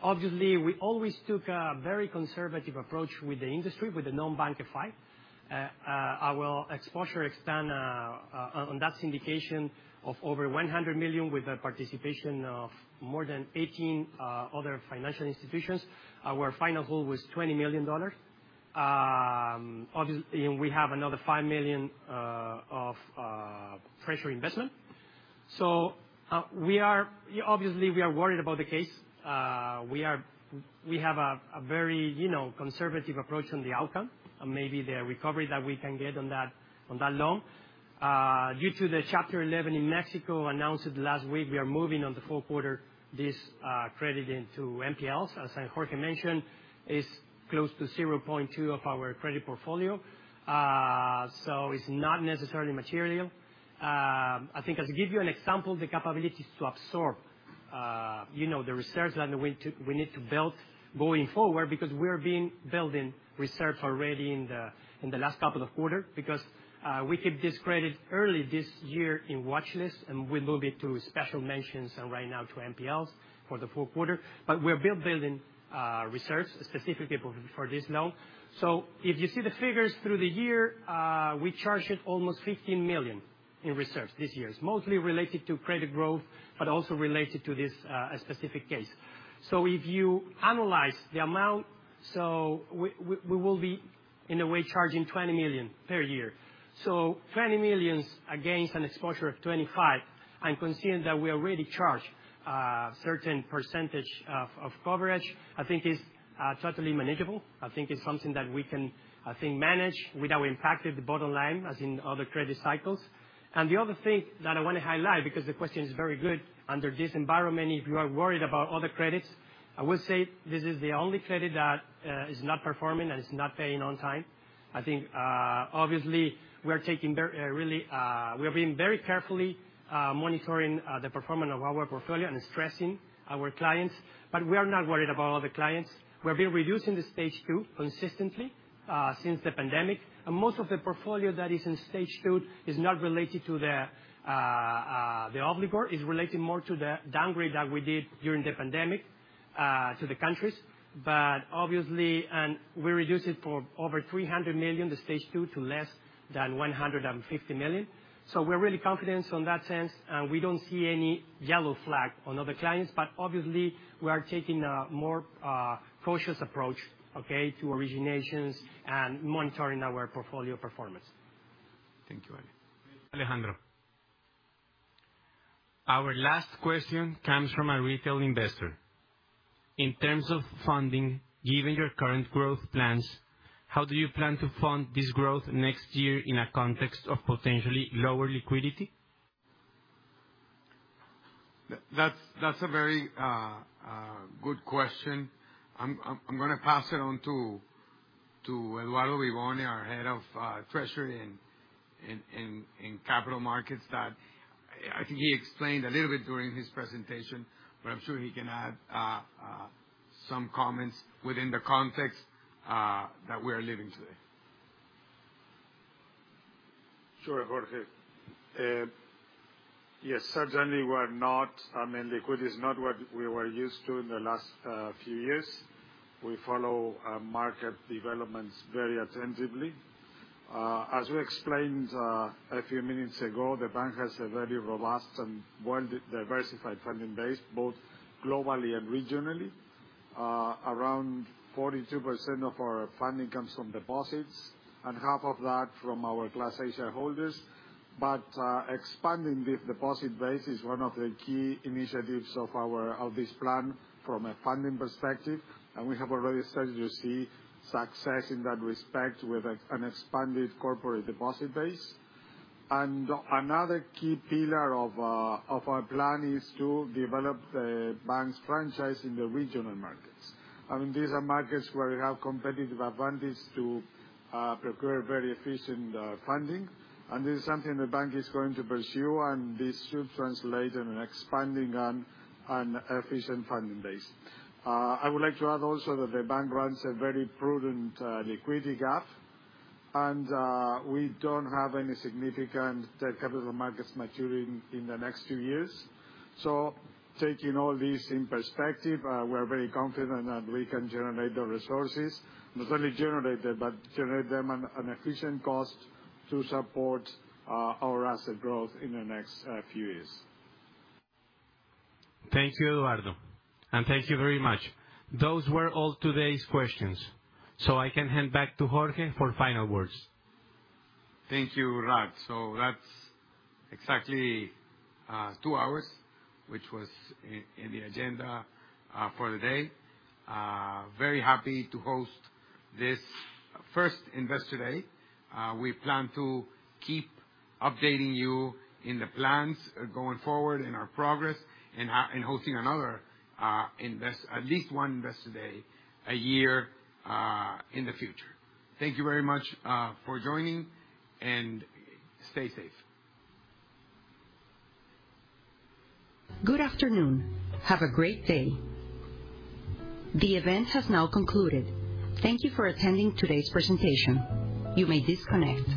Obviously, we always took a very conservative approach with the industry, with the non-bank FI. Our exposure extended on that syndication of over $100 million with a participation of more than 18 other financial institutions. Our final hold was $20 million. Obviously, we have another $5 million of fresh investment. We are obviously worried about the case. We have a very, you know, conservative approach on the outcome and maybe the recovery that we can get on that loan. Due to the Chapter 11 in Mexico announced last week, we are moving in the fourth quarter this credit into NPLs. As Jorge mentioned, it's close to 0.2 of our credit portfolio. So it's not necessarily material. I think as it gives you an example, the capabilities to absorb, you know, the reserves that we need to build going forward because we're building reserves already in the last couple of quarters. We kept this credit early this year in watchlist, and we moved it to special mention right now to NPLs for the full quarter. We're building reserves specifically for this loan. If you see the figures through the year, we charged almost $15 million in reserves this year. It's mostly related to credit growth, but also related to this specific case. If you analyze the amount, we will be, in a way, charging $20 million per year. $20 million against an exposure of $25, and considering that we already charged a certain percentage of coverage, I think is totally manageable. I think it's something that we can, I think, manage without impacting the bottom line, as in other credit cycles. The other thing that I wanna highlight, because the question is very good, under this environment, if you are worried about other credits, I would say this is the only credit that is not performing and is not paying on time. I think, obviously, we're being very carefully monitoring the performance of our portfolio and stressing our clients, but we are not worried about other clients. We've been reducing the Stage 2 consistently since the pandemic. Most of the portfolio that is in Stage 2 is not related to the obligor. It's related more to the downgrade that we did during the pandemic to the countries. We reduced it from over $300 million, the Stage 2, to less than $150 million. We're really confident in that sense, and we don't see any yellow flag on other clients. We're taking a more cautious approach, okay, to originations and monitoring our portfolio performance. Thank you, Ale. Alejandro, our last question comes from a retail investor. In terms of funding, given your current growth plans, how do you plan to fund this growth next year in a context of potentially lower liquidity? That's a very good question. I'm gonna pass it on to Eduardo Vivone, our head of treasury and capital markets that I think he explained a little bit during his presentation, but I'm sure he can add some comments within the context that we are living today. Sure, Jorge. Yes, certainly we're not, I mean, liquidity is not what we were used to in the last few years. We follow market developments very attentively. As we explained a few minutes ago, the bank has a very robust and well-diversified funding base, both globally and regionally. Around 42% of our funding comes from deposits, and half of that from our Class A shareholders. Expanding this deposit base is one of the key initiatives of this plan from a funding perspective, and we have already started to see success in that respect with an expanded corporate deposit base. Another key pillar of our plan is to develop the bank's franchise in the regional markets. I mean, these are markets where we have competitive advantage to procure very efficient funding. This is something the bank is going to pursue, and this should translate in an expanding and efficient funding base. I would like to add also that the bank runs a very prudent liquidity gap, and we don't have any significant capital markets maturing in the next few years. Taking all this in perspective, we're very confident that we can generate the resources. Not only generate them, but generate them at an efficient cost to support our asset growth in the next few years. Thank you, Eduardo, and thank you very much. Those were all today's questions, so I can hand back to Jorge for final words. Thank you, Raad. That's exactly two hours, which was in the agenda for today. Very happy to host this first Investor Day. We plan to keep updating you in the plans going forward in our progress and hosting another at least one Investor Day a year in the future. Thank you very much for joining, and stay safe. Good afternoon. Have a great day. The event has now concluded. Thank you for attending today's presentation. You may disconnect.